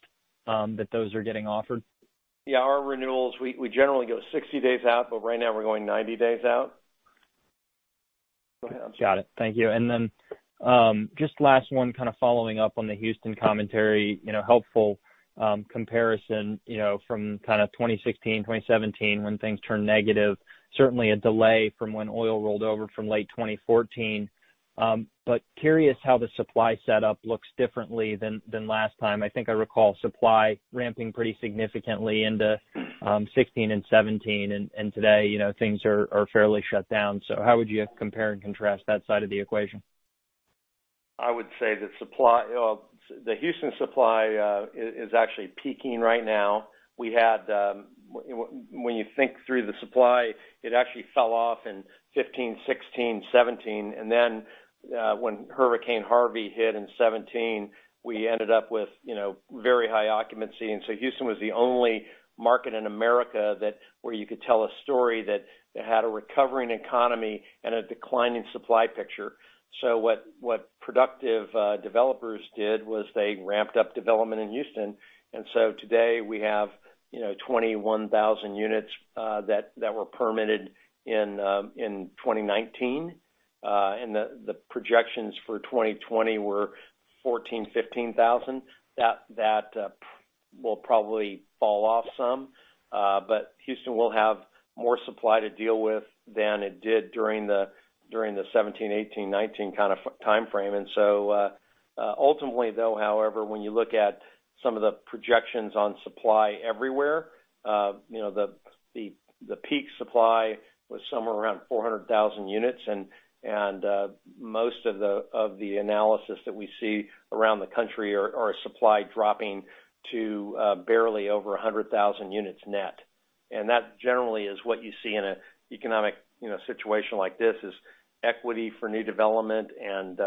Speaker 9: that those are getting offered?
Speaker 3: Yeah. Our renewals, we generally go 60 days out, but right now we're going 90 days out. Go ahead.
Speaker 9: Got it. Thank you. Just last one, kind of following up on the Houston commentary, helpful comparison from kind of 2016, 2017, when things turned negative. Certainly a delay from when oil rolled over from late 2014. Curious how the supply setup looks differently than last time. I think I recall supply ramping pretty significantly into 2016 and 2017, today, things are fairly shut down. How would you compare and contrast that side of the equation?
Speaker 3: I would say the Houston supply is actually peaking right now. When you think through the supply, it actually fell off in 2015, 2016, 2017. When Hurricane Harvey hit in 2017, we ended up with very high occupancy. Houston was the only market in America where you could tell a story that it had a recovering economy and a declining supply picture. What productive developers did was they ramped up development in Houston. Today we have 21,000 units that were permitted in 2019. The projections for 2020 were 14,000, 15,000. That will probably fall off some. Houston will have more supply to deal with than it did during the 2017, 2018, 2019 kind of timeframe. Ultimately though, however, when you look at some of the projections on supply everywhere, the peak supply was somewhere around 400,000 units, and most of the analysis that we see around the country are supply dropping to barely over 100,000 units net. That generally is what you see in an economic situation like this, is equity for new development and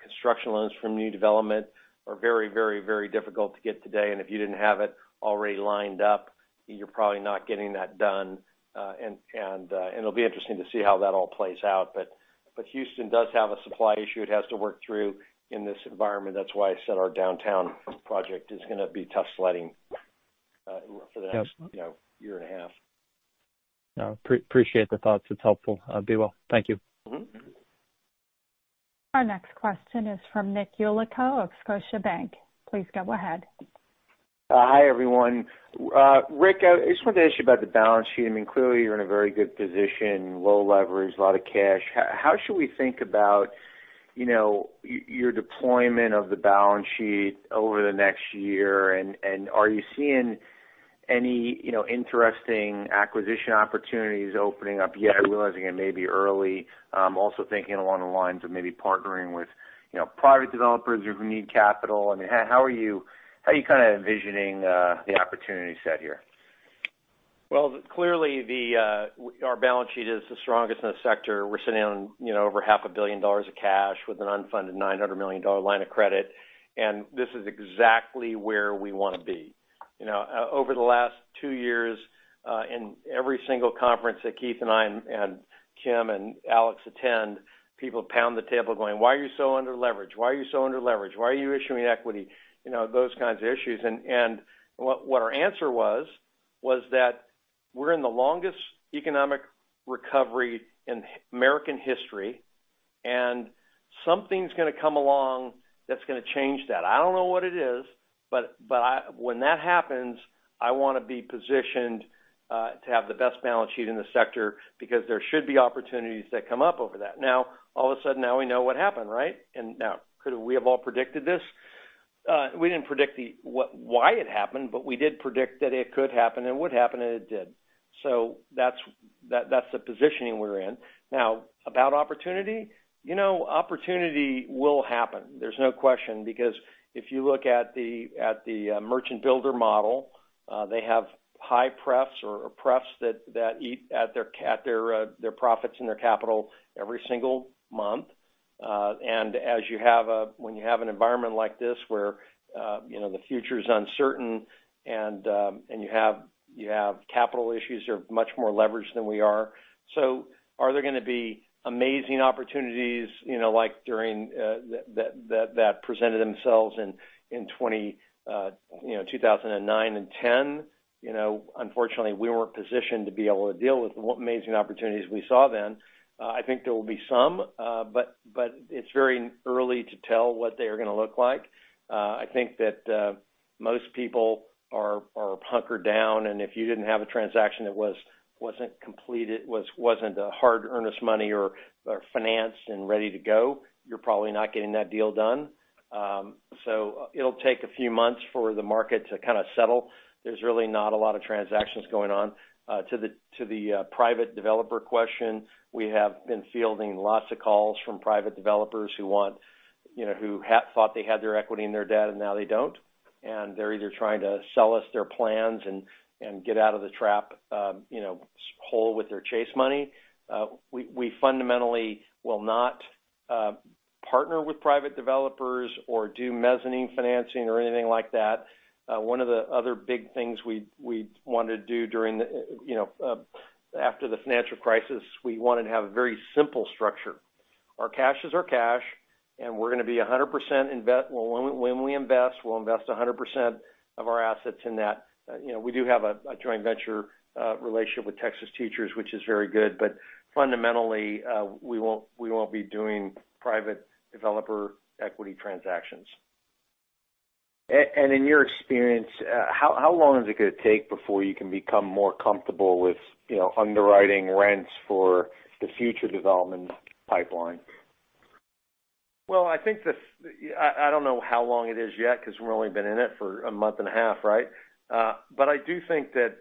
Speaker 3: construction loans from new development are very difficult to get today. If you didn't have it already lined up, you're probably not getting that done. It'll be interesting to see how that all plays out, but Houston does have a supply issue it has to work through in this environment. That's why I said our Downtown project is going to be tough sledding for the next year and a half.
Speaker 9: No, appreciate the thoughts. It's helpful. Be well. Thank you.
Speaker 1: Our next question is from Nicholas Yulico of Scotiabank. Please go ahead.
Speaker 10: Hi, everyone. Ric, I just wanted to ask you about the balance sheet. Clearly you're in a very good position, low leverage, a lot of cash. How should we think about your deployment of the balance sheet over the next year? Are you seeing any interesting acquisition opportunities opening up yet? Realizing it may be early. I'm also thinking along the lines of maybe partnering with private developers who need capital. How are you kind of envisioning the opportunity set here?
Speaker 3: Well, clearly our balance sheet is the strongest in the sector. We're sitting on over half a billion dollars of cash with an unfunded $900 million line of credit. This is exactly where we want to be. Over the last two years, in every single conference that Keith and I and Kim and Alex attend, people pound the table going, "Why are you so under-leveraged? Why are you issuing equity?" Those kinds of issues. What our answer was that we're in the longest economic recovery in American history, and something's going to come along that's going to change that. I don't know what it is, but when that happens, I want to be positioned to have the best balance sheet in the sector because there should be opportunities that come up over that. Now, all of a sudden, now we know what happened, right? Could we have all predicted this? We didn't predict why it happened, but we did predict that it could happen and would happen, and it did. That's the positioning we're in. About opportunity. Opportunity will happen. There's no question, because if you look at the merchant builder model, they have high pref's or pref's that eat at their profits and their capital every single month. When you have an environment like this where the future's uncertain and you have capital issues, you're much more leveraged than we are. Are there going to be amazing opportunities like during that presented themselves in 2009 and 2010? Unfortunately, we weren't positioned to be able to deal with what amazing opportunities we saw then. I think there will be some, but it's very early to tell what they are going to look like. I think that most people are hunkered down, and if you didn't have a transaction that wasn't completed, wasn't hard earnest money or financed and ready to go, you're probably not getting that deal done. It'll take a few months for the market to kind of settle. There's really not a lot of transactions going on. To the private developer question, we have been fielding lots of calls from private developers who thought they had their equity and their debt, and now they don't, and they're either trying to sell us their plans and get out of the trap whole with their chase money. We fundamentally will not partner with private developers or do mezzanine financing or anything like that. One of the other big things we wanted to do after the financial crisis, we wanted to have a very simple structure. Our cash is our cash, and when we invest, we'll invest 100% of our assets in that. We do have a joint venture relationship with Texas Teachers, which is very good. Fundamentally, we won't be doing private developer equity transactions.
Speaker 10: In your experience, how long is it going to take before you can become more comfortable with underwriting rents for the future development pipeline?
Speaker 3: Well, I don't know how long it is yet because we've only been in it for a month and a half, right? I do think that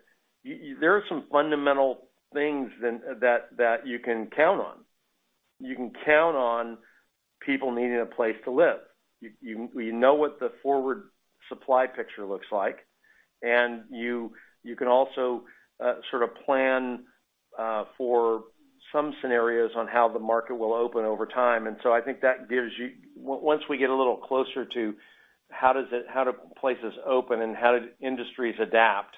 Speaker 3: there are some fundamental things that you can count on. You can count on people needing a place to live. We know what the forward supply picture looks like, and you can also sort of plan for some scenarios on how the market will open over time. I think that gives you Once we get a little closer to how do places open and how do industries adapt,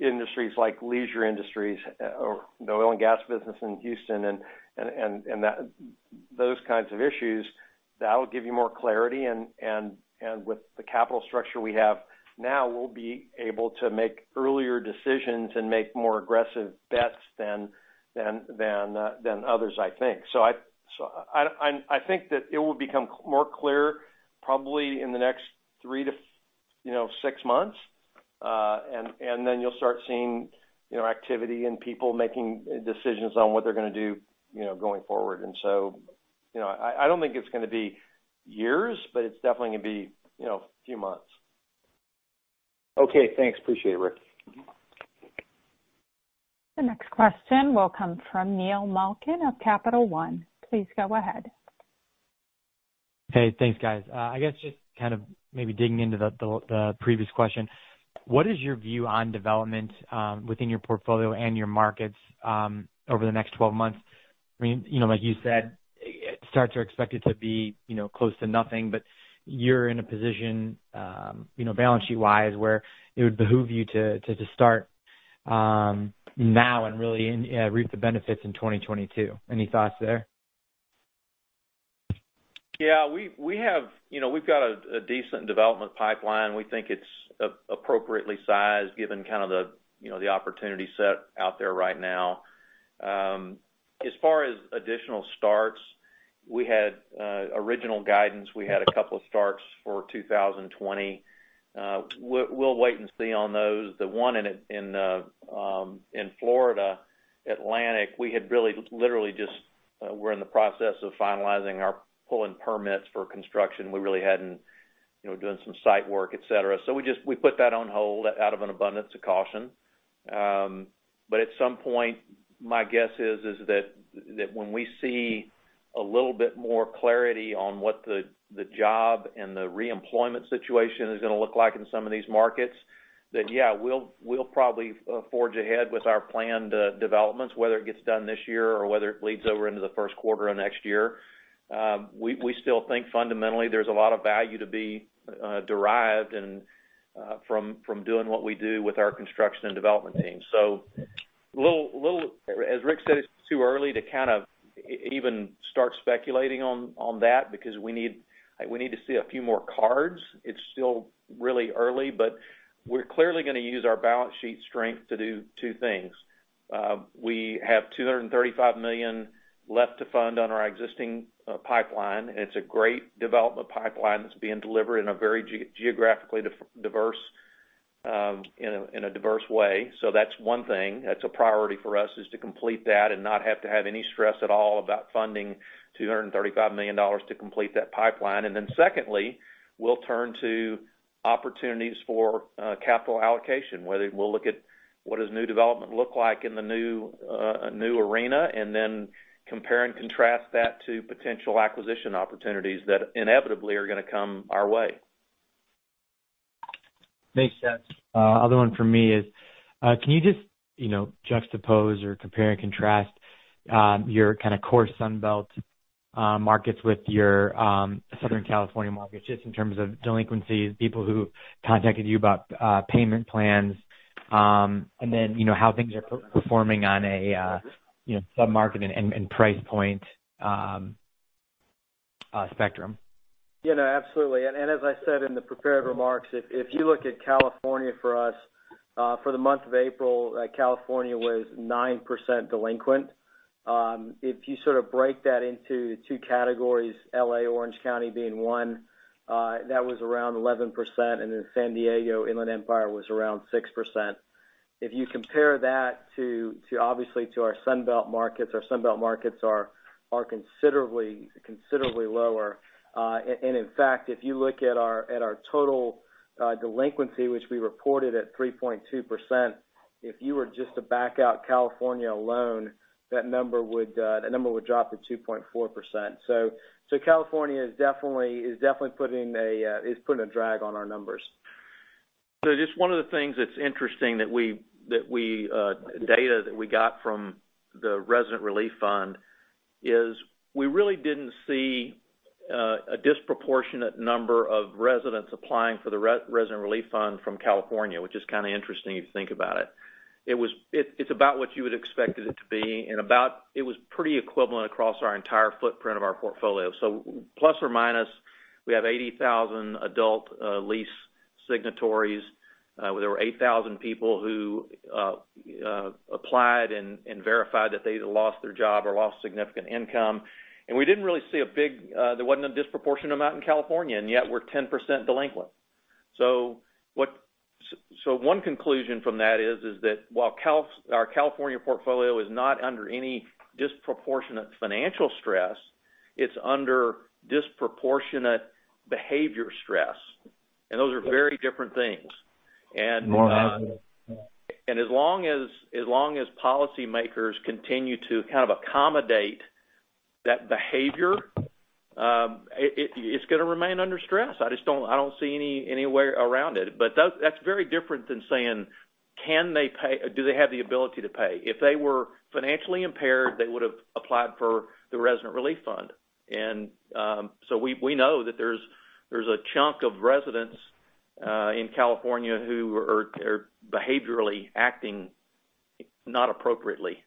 Speaker 3: industries like leisure industries or the oil and gas business in Houston and those kinds of issues, that'll give you more clarity. With the capital structure we have now, we'll be able to make earlier decisions and make more aggressive bets than others, I think. I think that it will become more clear probably in the next three to six months, and then you'll start seeing activity and people making decisions on what they're going to do going forward. I don't think it's going to be years, but it's definitely going to be a few months.
Speaker 10: Okay, thanks. Appreciate it, Ric.
Speaker 1: The next question will come from Neil Malkin of Capital One. Please go ahead.
Speaker 11: Hey, thanks, guys. I guess just kind of maybe digging into the previous question, what is your view on development within your portfolio and your markets over the next 12 months? Like you said, starts are expected to be close to nothing, but you're in a position, balance sheet-wise, where it would behoove you to just start now and really reap the benefits in 2022. Any thoughts there?
Speaker 4: Yeah, we've got a decent development pipeline. We think it's appropriately sized given kind of the opportunity set out there right now. As far as additional starts, we had original guidance. We had a couple of starts for 2020. We'll wait and see on those. The one in Florida, Atlantic, we had really literally just were in the process of finalizing our pulling permits for construction. We really hadn't done some site work, et cetera. We put that on hold out of an abundance of caution. At some point, my guess is that when we see a little bit more clarity on what the job and the re-employment situation is going to look like in some of these markets, then yeah, we'll probably forge ahead with our planned developments, whether it gets done this year or whether it bleeds over into the first quarter of next year. We still think fundamentally there's a lot of value to be derived from doing what we do with our construction and development team. As Ric said, it's too early to kind of even start speculating on that because we need to see a few more cards. It's still really early, we're clearly going to use our balance sheet strength to do two things. We have $235 million left to fund on our existing pipeline, and it's a great development pipeline that's being delivered in a very geographically diverse way. That's one thing. That's a priority for us is to complete that and not have to have any stress at all about funding $235 million to complete that pipeline. Secondly, we'll turn to opportunities for capital allocation, whether we'll look at what does new development look like in the new arena, and then compare and contrast that to potential acquisition opportunities that inevitably are going to come our way.
Speaker 11: Makes sense. Other one from me is, can you just juxtapose or compare and contrast your kind of core Sunbelt markets with your Southern California markets, just in terms of delinquencies, people who contacted you about payment plans, and then how things are performing on a sub-market and price point spectrum?
Speaker 5: Yeah. No, absolutely. As I said in the prepared remarks, if you look at California for us, for the month of April, California was 9% delinquent. If you sort of break that into two categories, L.A., Orange County being one, that was around 11%, then San Diego, Inland Empire was around 6%. If you compare that, obviously, to our Sunbelt markets, our Sunbelt markets are considerably lower. In fact, if you look at our total delinquency, which we reported at 3.2%, if you were just to back out California alone, that number would drop to 2.4%. California is definitely putting a drag on our numbers.
Speaker 4: Just one of the things that's interesting, data that we got from the Resident Relief Fund is we really didn't see a disproportionate number of residents applying for the Resident Relief Fund from California, which is kind of interesting if you think about it. It's about what you would expected it to be, and it was pretty equivalent across our entire footprint of our portfolio. Plus or minus, we have 80,000 adult lease signatories. There were 8,000 people who applied and verified that they either lost their job or lost significant income. We didn't really see There wasn't a disproportionate amount in California, and yet we're 10% delinquent. One conclusion from that is that while our California portfolio is not under any disproportionate financial stress, it's under disproportionate behavior stress, and those are very different things.
Speaker 11: Moral hazard.
Speaker 4: As long as policymakers continue to kind of accommodate that behavior, it's going to remain under stress. I don't see any way around it. That's very different than saying, do they have the ability to pay? If they were financially impaired, they would've applied for the Resident Relief Fund. We know that there's a chunk of residents in California who are behaviorally acting not appropriately.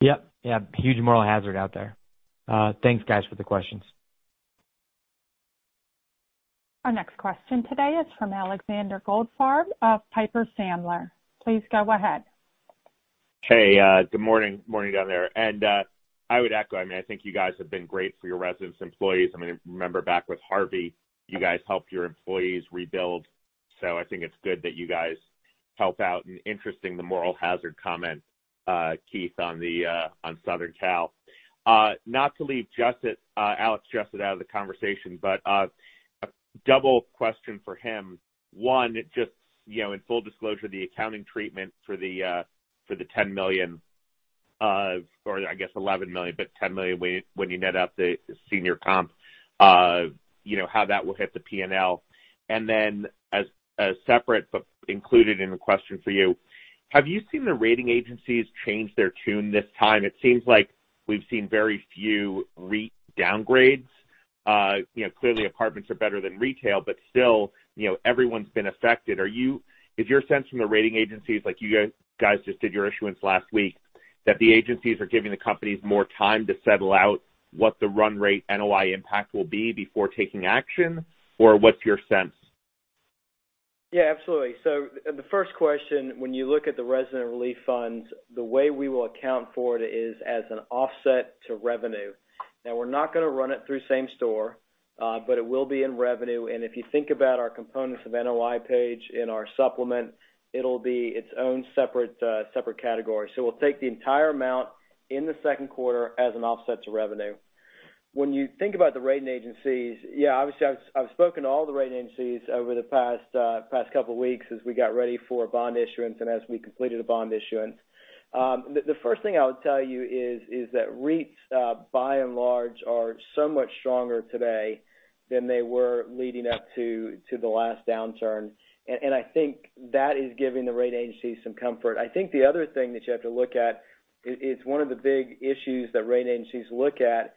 Speaker 11: Yep. Yeah. Huge moral hazard out there. Thanks, guys, for the questions.
Speaker 1: Our next question today is from Alexander Goldfarb of Piper Sandler. Please go ahead.
Speaker 12: Hey, good morning. Morning down there. I would echo, I think you guys have been great for your residents, employees. I mean, remember back with Hurricane Harvey, you guys helped your employees rebuild. I think it's good that you guys help out, and interesting, the moral hazard comment, Keith, on Southern Cal. Not to leave Alex Jessett out of the conversation, but a double question for him. One, just in full disclosure, the accounting treatment for the $10 million, or I guess $11 million, but $10 million when you net up the senior comp, how that will hit the P&L. Then as separate but included in the question for you, have you seen the rating agencies change their tune this time? It seems like we've seen very few REIT downgrades. Clearly, apartments are better than retail, but still, everyone's been affected. Is your sense from the rating agencies, like you guys just did your issuance last week, that the agencies are giving the companies more time to settle out what the run rate NOI impact will be before taking action, or what's your sense?
Speaker 5: Yeah, absolutely. The first question, when you look at the Resident Relief Fund, the way we will account for it is as an offset to revenue. Now, we're not going to run it through same store, but it will be in revenue. If you think about our components of NOI page in our supplement, it'll be its own separate category. We'll take the entire amount in the second quarter as an offset to revenue. When you think about the rating agencies, yeah, obviously, I've spoken to all the rating agencies over the past couple of weeks as we got ready for bond issuance and as we completed a bond issuance. The first thing I would tell you is that REITs, by and large, are so much stronger today than they were leading up to the last downturn, and I think that is giving the rating agencies some comfort. I think the other thing that you have to look at is one of the big issues that rating agencies look at is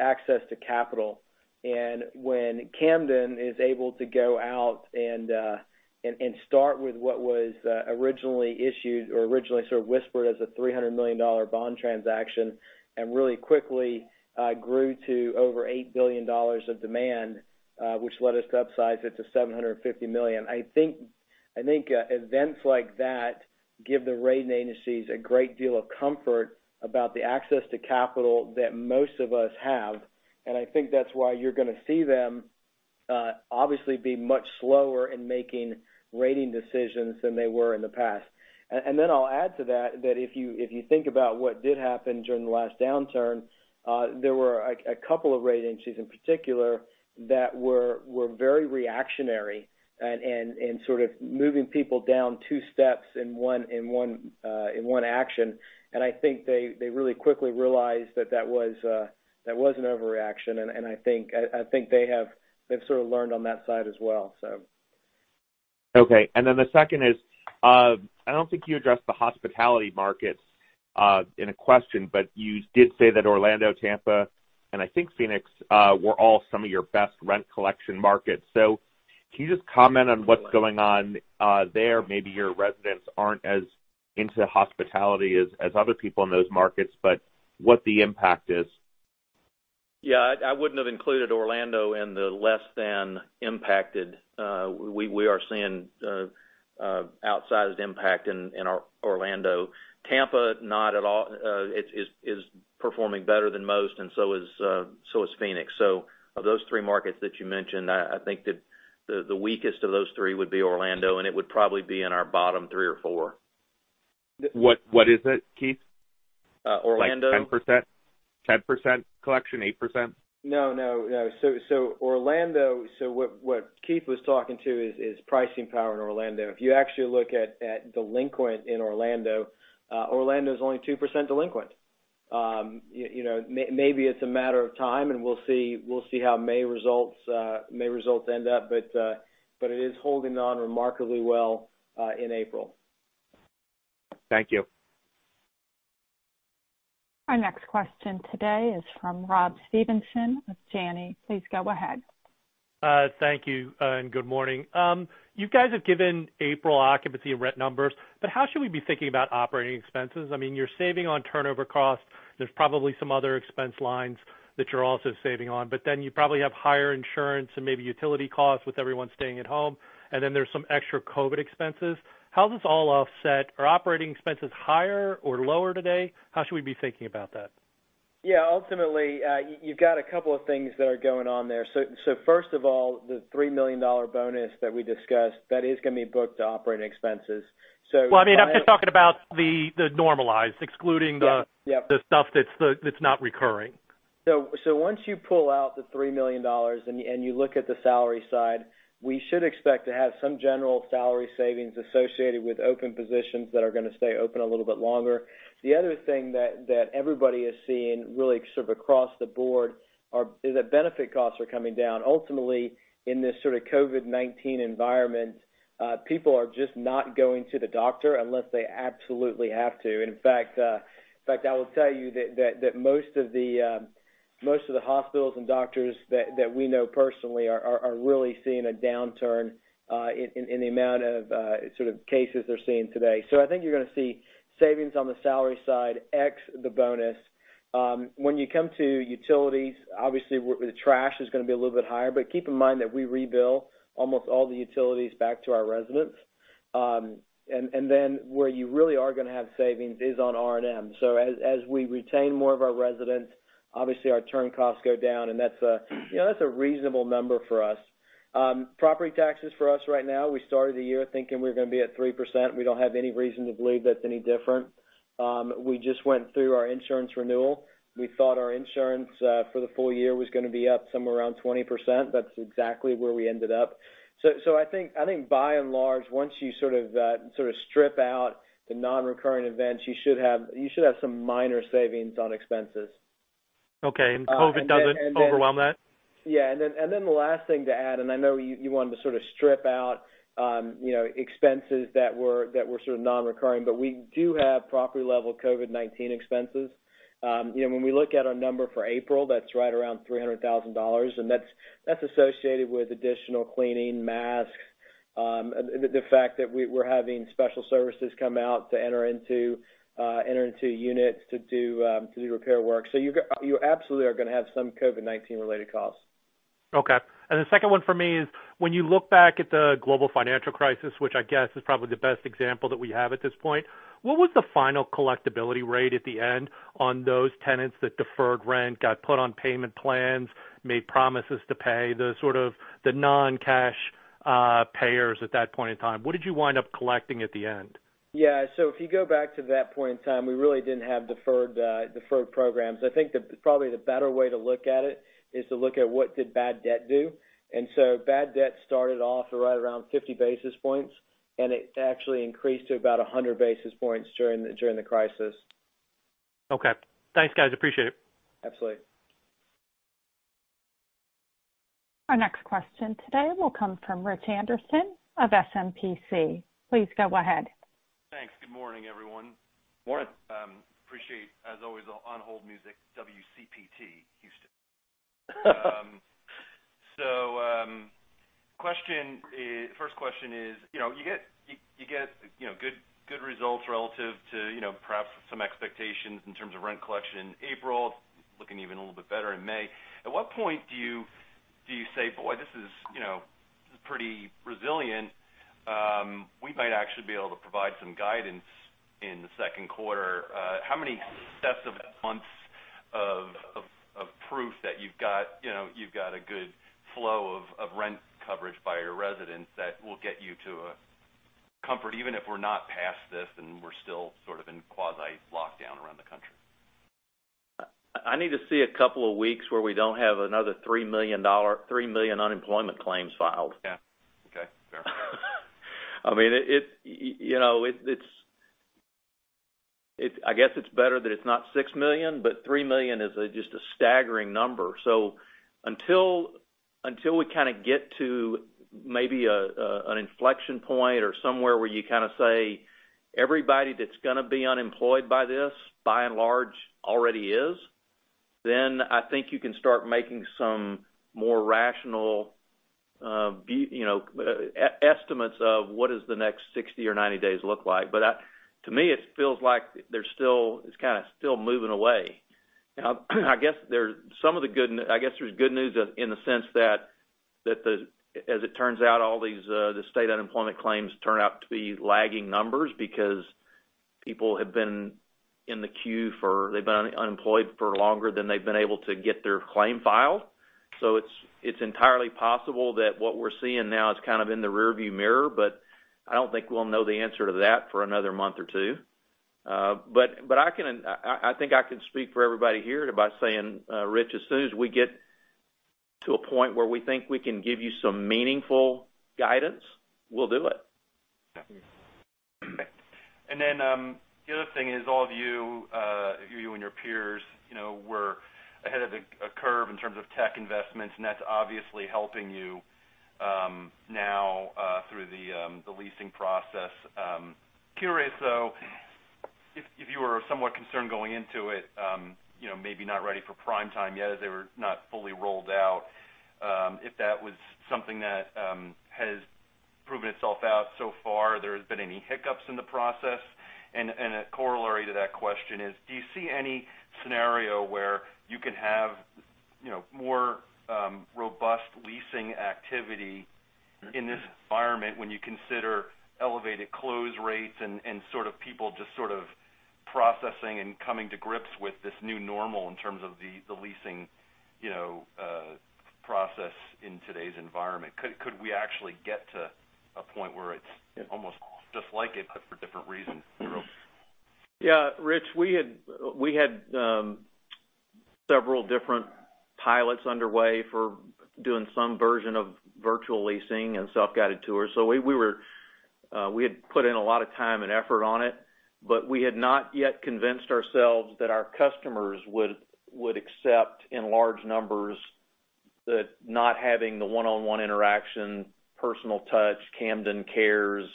Speaker 5: access to capital. When Camden is able to go out and start with what was originally issued or originally sort of whispered as a $300 million bond transaction and really quickly grew to over $8 billion of demand, which led us to upsize it to $750 million. I think events like that give the rating agencies a great deal of comfort about the access to capital that most of us have, and I think that's why you're going to see them obviously be much slower in making rating decisions than they were in the past. Then I'll add to that if you think about what did happen during the last downturn, there were a couple of rating agencies in particular that were very reactionary and sort of moving people down two steps in one action. I think they really quickly realized that that was an overreaction, and I think they've sort of learned on that side as well.
Speaker 12: Okay. The second is, I don't think you addressed the hospitality markets in a question, but you did say that Orlando, Tampa, and I think Phoenix, were all some of your best rent collection markets. Can you just comment on what's going on there? Maybe your residents aren't as into hospitality as other people in those markets, but what the impact is.
Speaker 4: I wouldn't have included Orlando in the less than impacted. We are seeing outsized impact in Orlando. Tampa, not at all. It is performing better than most, and so is Phoenix. Of those three markets that you mentioned, I think that the weakest of those three would be Orlando, and it would probably be in our bottom three or four.
Speaker 12: What is it, Keith?
Speaker 4: Orlando-
Speaker 12: Like 10% collection, 8%?
Speaker 5: No. Orlando, so what Keith was talking to is pricing power in Orlando. If you actually look at delinquent in Orlando is only 2% delinquent. Maybe it's a matter of time, and we'll see how May results end up, but it is holding on remarkably well in April.
Speaker 12: Thank you.
Speaker 1: Our next question today is from Rob Stevenson with Janney. Please go ahead.
Speaker 13: Thank you, and good morning. You guys have given April occupancy rent numbers, but how should we be thinking about operating expenses? I mean, you're saving on turnover costs. There's probably some other expense lines that you're also saving on, but then you probably have higher insurance and maybe utility costs with everyone staying at home. There's some extra COVID expenses. How does this all offset? Are operating expenses higher or lower today? How should we be thinking about that?
Speaker 5: Yeah. Ultimately, you've got a couple of things that are going on there. First of all, the $3 million bonus that we discussed, that is going to be booked to operating expenses.
Speaker 13: Well, I mean, I'm just talking about the normalized.
Speaker 5: Yeah
Speaker 13: the stuff that's not recurring.
Speaker 5: Once you pull out the $3 million and you look at the salary side, we should expect to have some general salary savings associated with open positions that are going to stay open a little bit longer. The other thing that everybody is seeing really sort of across the board is that benefit costs are coming down. Ultimately, in this sort of COVID-19 environment, people are just not going to the doctor unless they absolutely have to. In fact, I will tell you that most of the hospitals and doctors that we know personally are really seeing a downturn in the amount of sort of cases they're seeing today. I think you're going to see savings on the salary side, x the bonus. You come to utilities, obviously, the trash is going to be a little bit higher, but keep in mind that we re-bill almost all the utilities back to our residents. Where you really are going to have savings is on R&M. As we retain more of our residents, obviously our turn costs go down, and that's a reasonable number for us. Property taxes for us right now, we started the year thinking we're going to be at 3%. We don't have any reason to believe that's any different. We just went through our insurance renewal. We thought our insurance for the full year was going to be up somewhere around 20%. That's exactly where we ended up. I think by and large, once you sort of strip out the non-recurring events, you should have some minor savings on expenses.
Speaker 13: Okay. COVID doesn't overwhelm that?
Speaker 5: Yeah. The last thing to add, and I know you wanted to sort of strip out expenses that were sort of non-recurring, but we do have property-level COVID-19 expenses. When we look at our number for April, that's right around $300,000, and that's associated with additional cleaning, masks, the fact that we're having special services come out to enter into units to do repair work. You absolutely are going to have some COVID-19 related costs.
Speaker 13: Okay. The second one for me is, when you look back at the global financial crisis, which I guess is probably the best example that we have at this point, what was the final collectibility rate at the end on those tenants that deferred rent, got put on payment plans, made promises to pay, the sort of non-cash payers at that point in time? What did you wind up collecting at the end?
Speaker 5: Yeah. If you go back to that point in time, we really didn't have deferred programs. I think probably the better way to look at it is to look at what did bad debt do. Bad debt started off right around 50 basis points, and it actually increased to about 100 basis points during the crisis.
Speaker 13: Okay. Thanks, guys. Appreciate it.
Speaker 5: Absolutely.
Speaker 1: Our next question today will come from Rich Anderson of SMBC. Please go ahead.
Speaker 14: Thanks. Good morning, everyone.
Speaker 3: Morning.
Speaker 14: Appreciate, as always, the on-hold music, WCPT, Houston. First question is, you get good results relative to perhaps some expectations in terms of rent collection in April, looking even a little bit better in May. At what point do you say, "Boy, this is pretty resilient. We might actually be able to provide some guidance in the second quarter." How many steps of months of proof that you've got a good flow of rent coverage by your residents that will get you to a comfort, even if we're not past this and we're still sort of in quasi-lockdown around the country?
Speaker 4: I need to see a couple of weeks where we don't have another 3 million unemployment claims filed.
Speaker 14: Yeah. Okay. Fair.
Speaker 4: I mean, I guess it's better that it's not $6 million, $3 million is just a staggering number. Until we kind of get to maybe an inflection point or somewhere where you kind of say everybody that's going to be unemployed by this, by and large, already is, then I think you can start making some more rational estimates of what does the next 60 or 90 days look like. To me, it feels like it's kind of still moving away. There's good news in the sense that as it turns out, all these state unemployment claims turn out to be lagging numbers because people have been in the queue, they've been unemployed for longer than they've been able to get their claim filed. It's entirely possible that what we're seeing now is kind of in the rear view mirror, but I don't think we'll know the answer to that for another month or two. I think I can speak for everybody here about saying, Rich, as soon as we get to a point where we think we can give you some meaningful guidance, we'll do it.
Speaker 14: Yeah. The other thing is all of you and your peers, were ahead of the curve in terms of tech investments, and that's obviously helping you now through the leasing process. Curious, though, if you were somewhat concerned going into it, maybe not ready for prime time yet as they were not fully rolled out, if that was something that has proven itself out so far, there has been any hiccups in the process. A corollary to that question is, do you see any scenario where you can have more robust leasing activity in this environment when you consider elevated close rates and sort of people just sort of processing and coming to grips with this new normal in terms of the leasing process in today's environment? Could we actually get to a point where it's almost just like it, but for different reasons?
Speaker 4: Yeah, Rich, we had several different pilots underway for doing some version of virtual leasing and self-guided tours. We had put in a lot of time and effort on it, but we had not yet convinced ourselves that our customers would accept in large numbers that not having the one-on-one interaction, personal touch, Camden Cares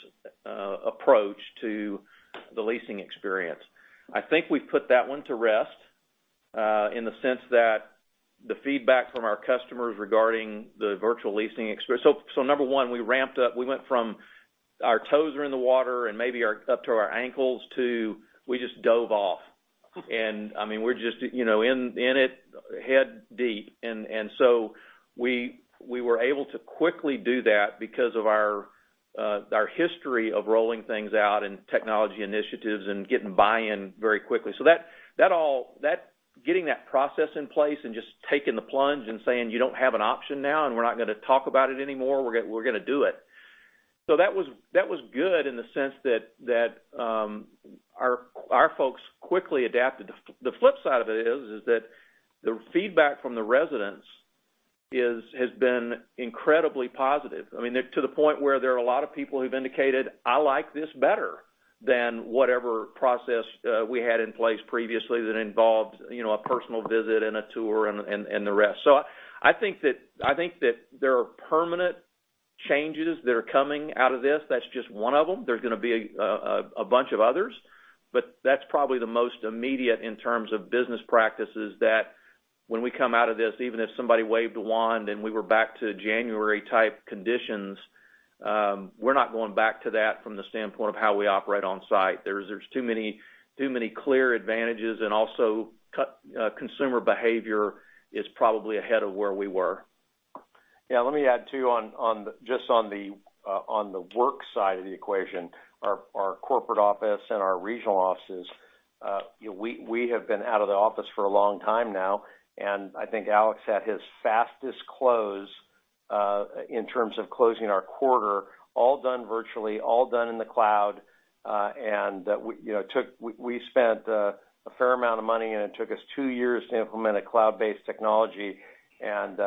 Speaker 4: approach to the leasing experience. I think we've put that one to rest in the sense that the feedback from our customers regarding the virtual leasing experience. Number one, we ramped up. We went from our toes are in the water and maybe up to our ankles to, we just dove off. I mean, we're just in it head deep. We were able to quickly do that because of our history of rolling things out and technology initiatives and getting buy-in very quickly. Getting that process in place and just taking the plunge and saying, "You don't have an option now, and we're not going to talk about it anymore. We're going to do it." That was good in the sense that our folks quickly adapted. The flip side of it is that the feedback from the residents has been incredibly positive. I mean, to the point where there are a lot of people who've indicated, I like this better than whatever process we had in place previously that involved a personal visit and a tour, and the rest. I think that there are permanent changes that are coming out of this. That's just one of them. There's going to be a bunch of others, but that's probably the most immediate in terms of business practices that when we come out of this, even if somebody waved a wand and we were back to January type conditions, we're not going back to that from the standpoint of how we operate on site. There's too many clear advantages and also consumer behavior is probably ahead of where we were.
Speaker 3: Let me add too, just on the work side of the equation, our corporate office and our regional offices, we have been out of the office for a long time now. I think Alex had his fastest close in terms of closing our quarter, all done virtually, all done in the cloud. We spent a fair amount of money, and it took us two years to implement a cloud-based technology, and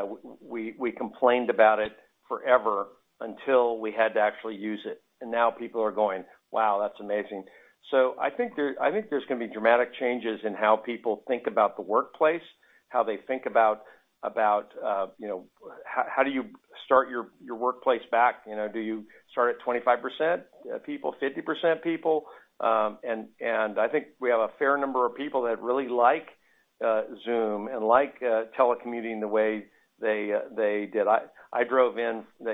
Speaker 3: we complained about it forever until we had to actually use it. Now people are going, "Wow, that's amazing." I think there's going to be dramatic changes in how people think about the workplace, how they think about how do you start your workplace back? Do you start at 25% people, 50% people? I think we have a fair number of people that really like Zoom and like telecommuting the way they did. I drove in, and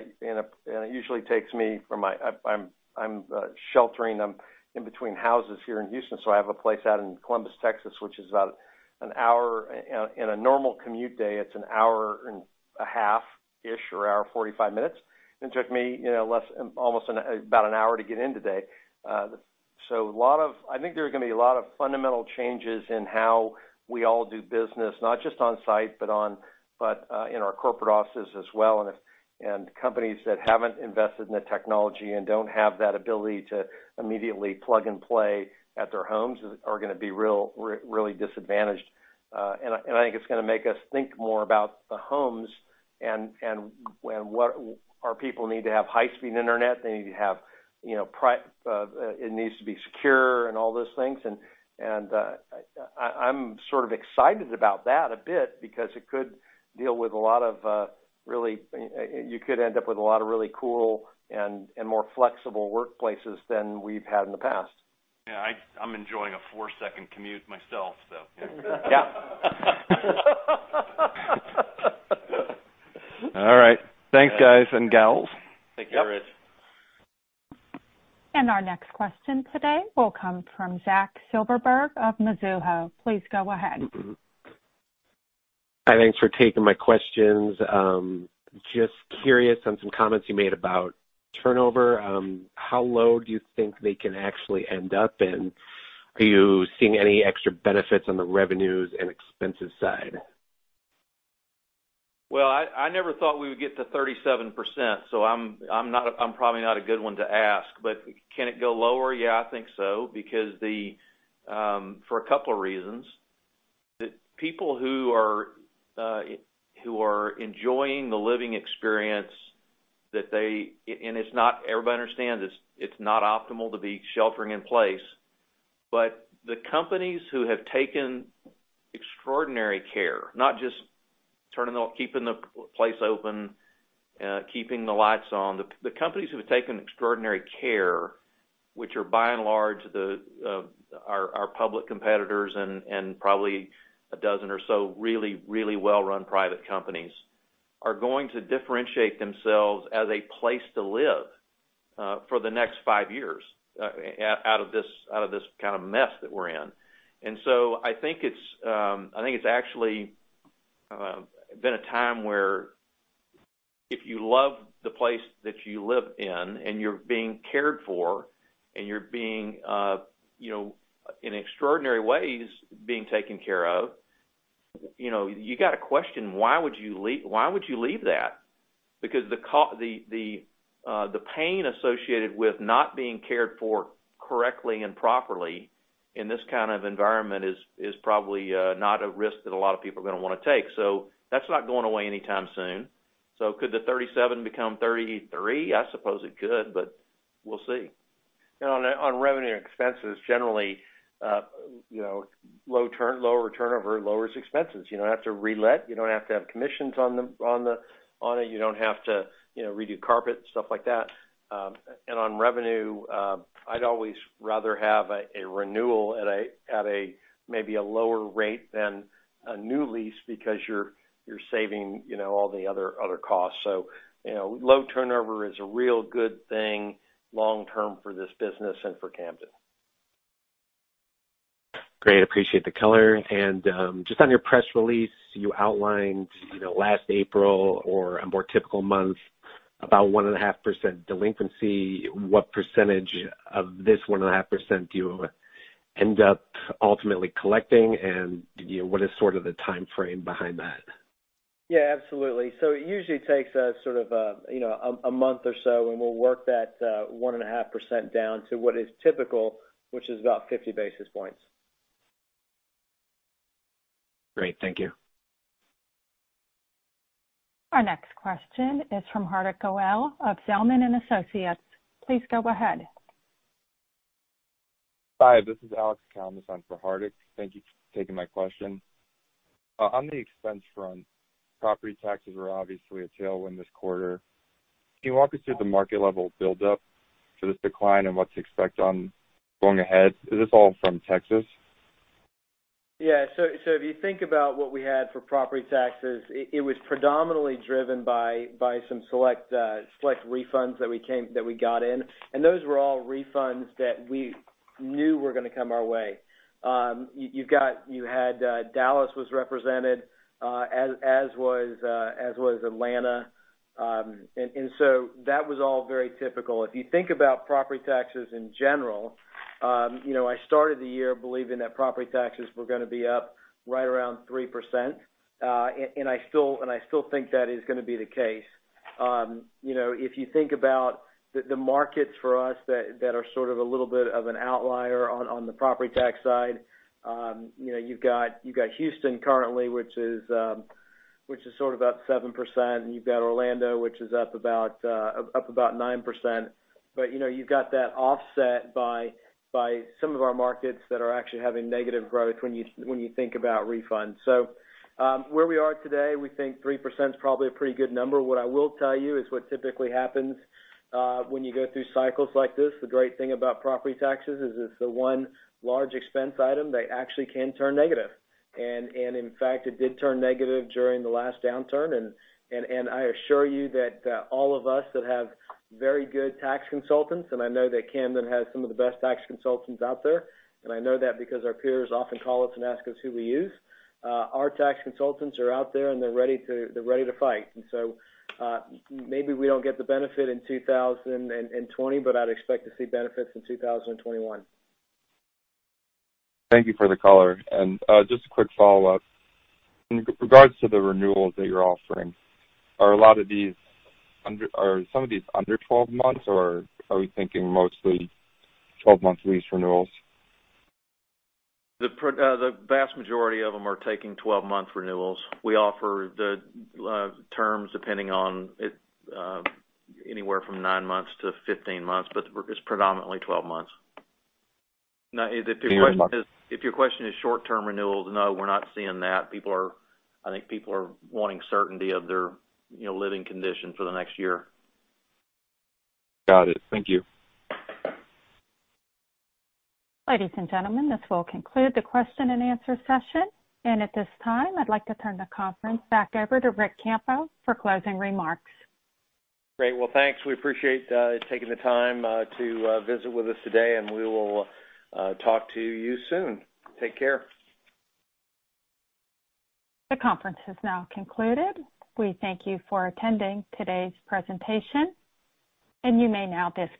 Speaker 3: it usually takes me from. I'm sheltering. I'm in between houses here in Houston, so I have a place out in Columbus, Texas, which is about an hour. In a normal commute day, it's an hour and a half-ish or hour and 45 minutes. It took me less, almost about an hour to get in today. I think there are going to be a lot of fundamental changes in how we all do business, not just on site, but in our corporate offices as well, and companies that haven't invested in the technology and don't have that ability to immediately plug and play at their homes are going to be really disadvantaged. I think it's going to make us think more about the homes and our people need to have high-speed internet. It needs to be secure and all those things. I'm sort of excited about that a bit because you could end up with a lot of really cool and more flexible workplaces than we've had in the past.
Speaker 14: Yeah, I'm enjoying a four-second commute myself, so yeah.
Speaker 3: All right. Thanks, guys and gals.
Speaker 14: Thank you, Ric.
Speaker 1: Our next question today will come from Zachary Silverberg of Mizuho. Please go ahead.
Speaker 15: Hi. Thanks for taking my questions. Just curious on some comments you made about turnover. How low do you think they can actually end up, and are you seeing any extra benefits on the revenues and expenses side?
Speaker 4: Well, I never thought we would get to 37%. I'm probably not a good one to ask. Can it go lower? Yeah, I think so. For a couple of reasons. People who are enjoying the living experience, everybody understands it's not optimal to be sheltering in place, but the companies who have taken extraordinary care, not just keeping the place open, keeping the lights on. The companies who have taken extraordinary care, which are by and large our public competitors and probably a dozen or so really well-run private companies, are going to differentiate themselves as a place to live for the next five years out of this kind of mess that we're in. I think it's actually been a time where if you love the place that you live in and you're being cared for, and you're being, in extraordinary ways, being taken care of, you got to question why would you leave that? The pain associated with not being cared for correctly and properly in this kind of environment is probably not a risk that a lot of people are going to want to take. That's not going away anytime soon. Could the 37 become 33? I suppose it could, but we'll see.
Speaker 3: On revenue and expenses, generally, lower turnover lowers expenses. You don't have to relet, you don't have to have commissions on it, you don't have to redo carpet, stuff like that. On revenue, I'd always rather have a renewal at maybe a lower rate than a new lease because you're saving all the other costs. Low turnover is a real good thing long-term for this business and for Camden.
Speaker 15: Great. Appreciate the color. Just on your press release, you outlined last April or a more typical month, about 1.5% delinquency. What percentage of this 1.5% do you end up ultimately collecting, and what is sort of the timeframe behind that?
Speaker 5: Yeah, absolutely. It usually takes a sort of a month or so, and we'll work that 1.5% down to what is typical, which is about 50 basis points.
Speaker 15: Great. Thank you.
Speaker 1: Our next question is from Hardik Goel of Zelman & Associates. Please go ahead.
Speaker 16: Hi, this is Alexander Kalmus for Hardik. Thank you for taking my question. On the expense front, property taxes were obviously a tailwind this quarter. Can you walk us through the market level build-up for this decline and what to expect going ahead? Is this all from Texas?
Speaker 5: Yeah. If you think about what we had for property taxes, it was predominantly driven by some select refunds that we got in, and those were all refunds that we knew were going to come our way. You had Dallas was represented, as was Atlanta. That was all very typical. If you think about property taxes in general, I started the year believing that property taxes were going to be up right around 3%, I still think that is going to be the case. If you think about the markets for us that are sort of a little bit of an outlier on the property tax side, you've got Houston currently, which is sort of up 7%, and you've got Orlando, which is up about 9%. You've got that offset by some of our markets that are actually having negative growth when you think about refunds. Where we are today, we think 3% is probably a pretty good number. What I will tell you is what typically happens when you go through cycles like this, the great thing about property taxes is it's the one large expense item that actually can turn negative. In fact, it did turn negative during the last downturn, and I assure you that all of us that have very good tax consultants, and I know that Camden has some of the best tax consultants out there, and I know that because our peers often call us and ask us who we use. Our tax consultants are out there, and they're ready to fight. Maybe we don't get the benefit in 2020, but I'd expect to see benefits in 2021.
Speaker 16: Thank you for the color. Just a quick follow-up. In regards to the renewals that you're offering, are some of these under 12 months, or are we thinking mostly 12-month lease renewals?
Speaker 5: The vast majority of them are taking 12-month renewals. We offer the terms depending on anywhere from nine months to 15 months, but it's predominantly 12 months.
Speaker 16: Okay.
Speaker 5: If your question is short-term renewals, no, we're not seeing that. I think people are wanting certainty of their living conditions for the next year.
Speaker 16: Got it. Thank you.
Speaker 1: Ladies and gentlemen, this will conclude the question and answer session. At this time, I'd like to turn the conference back over to Ric Campo for closing remarks.
Speaker 3: Great. Well, thanks. We appreciate you taking the time to visit with us today, and we will talk to you soon. Take care.
Speaker 1: The conference has now concluded. We thank you for attending today's presentation. You may now disconnect.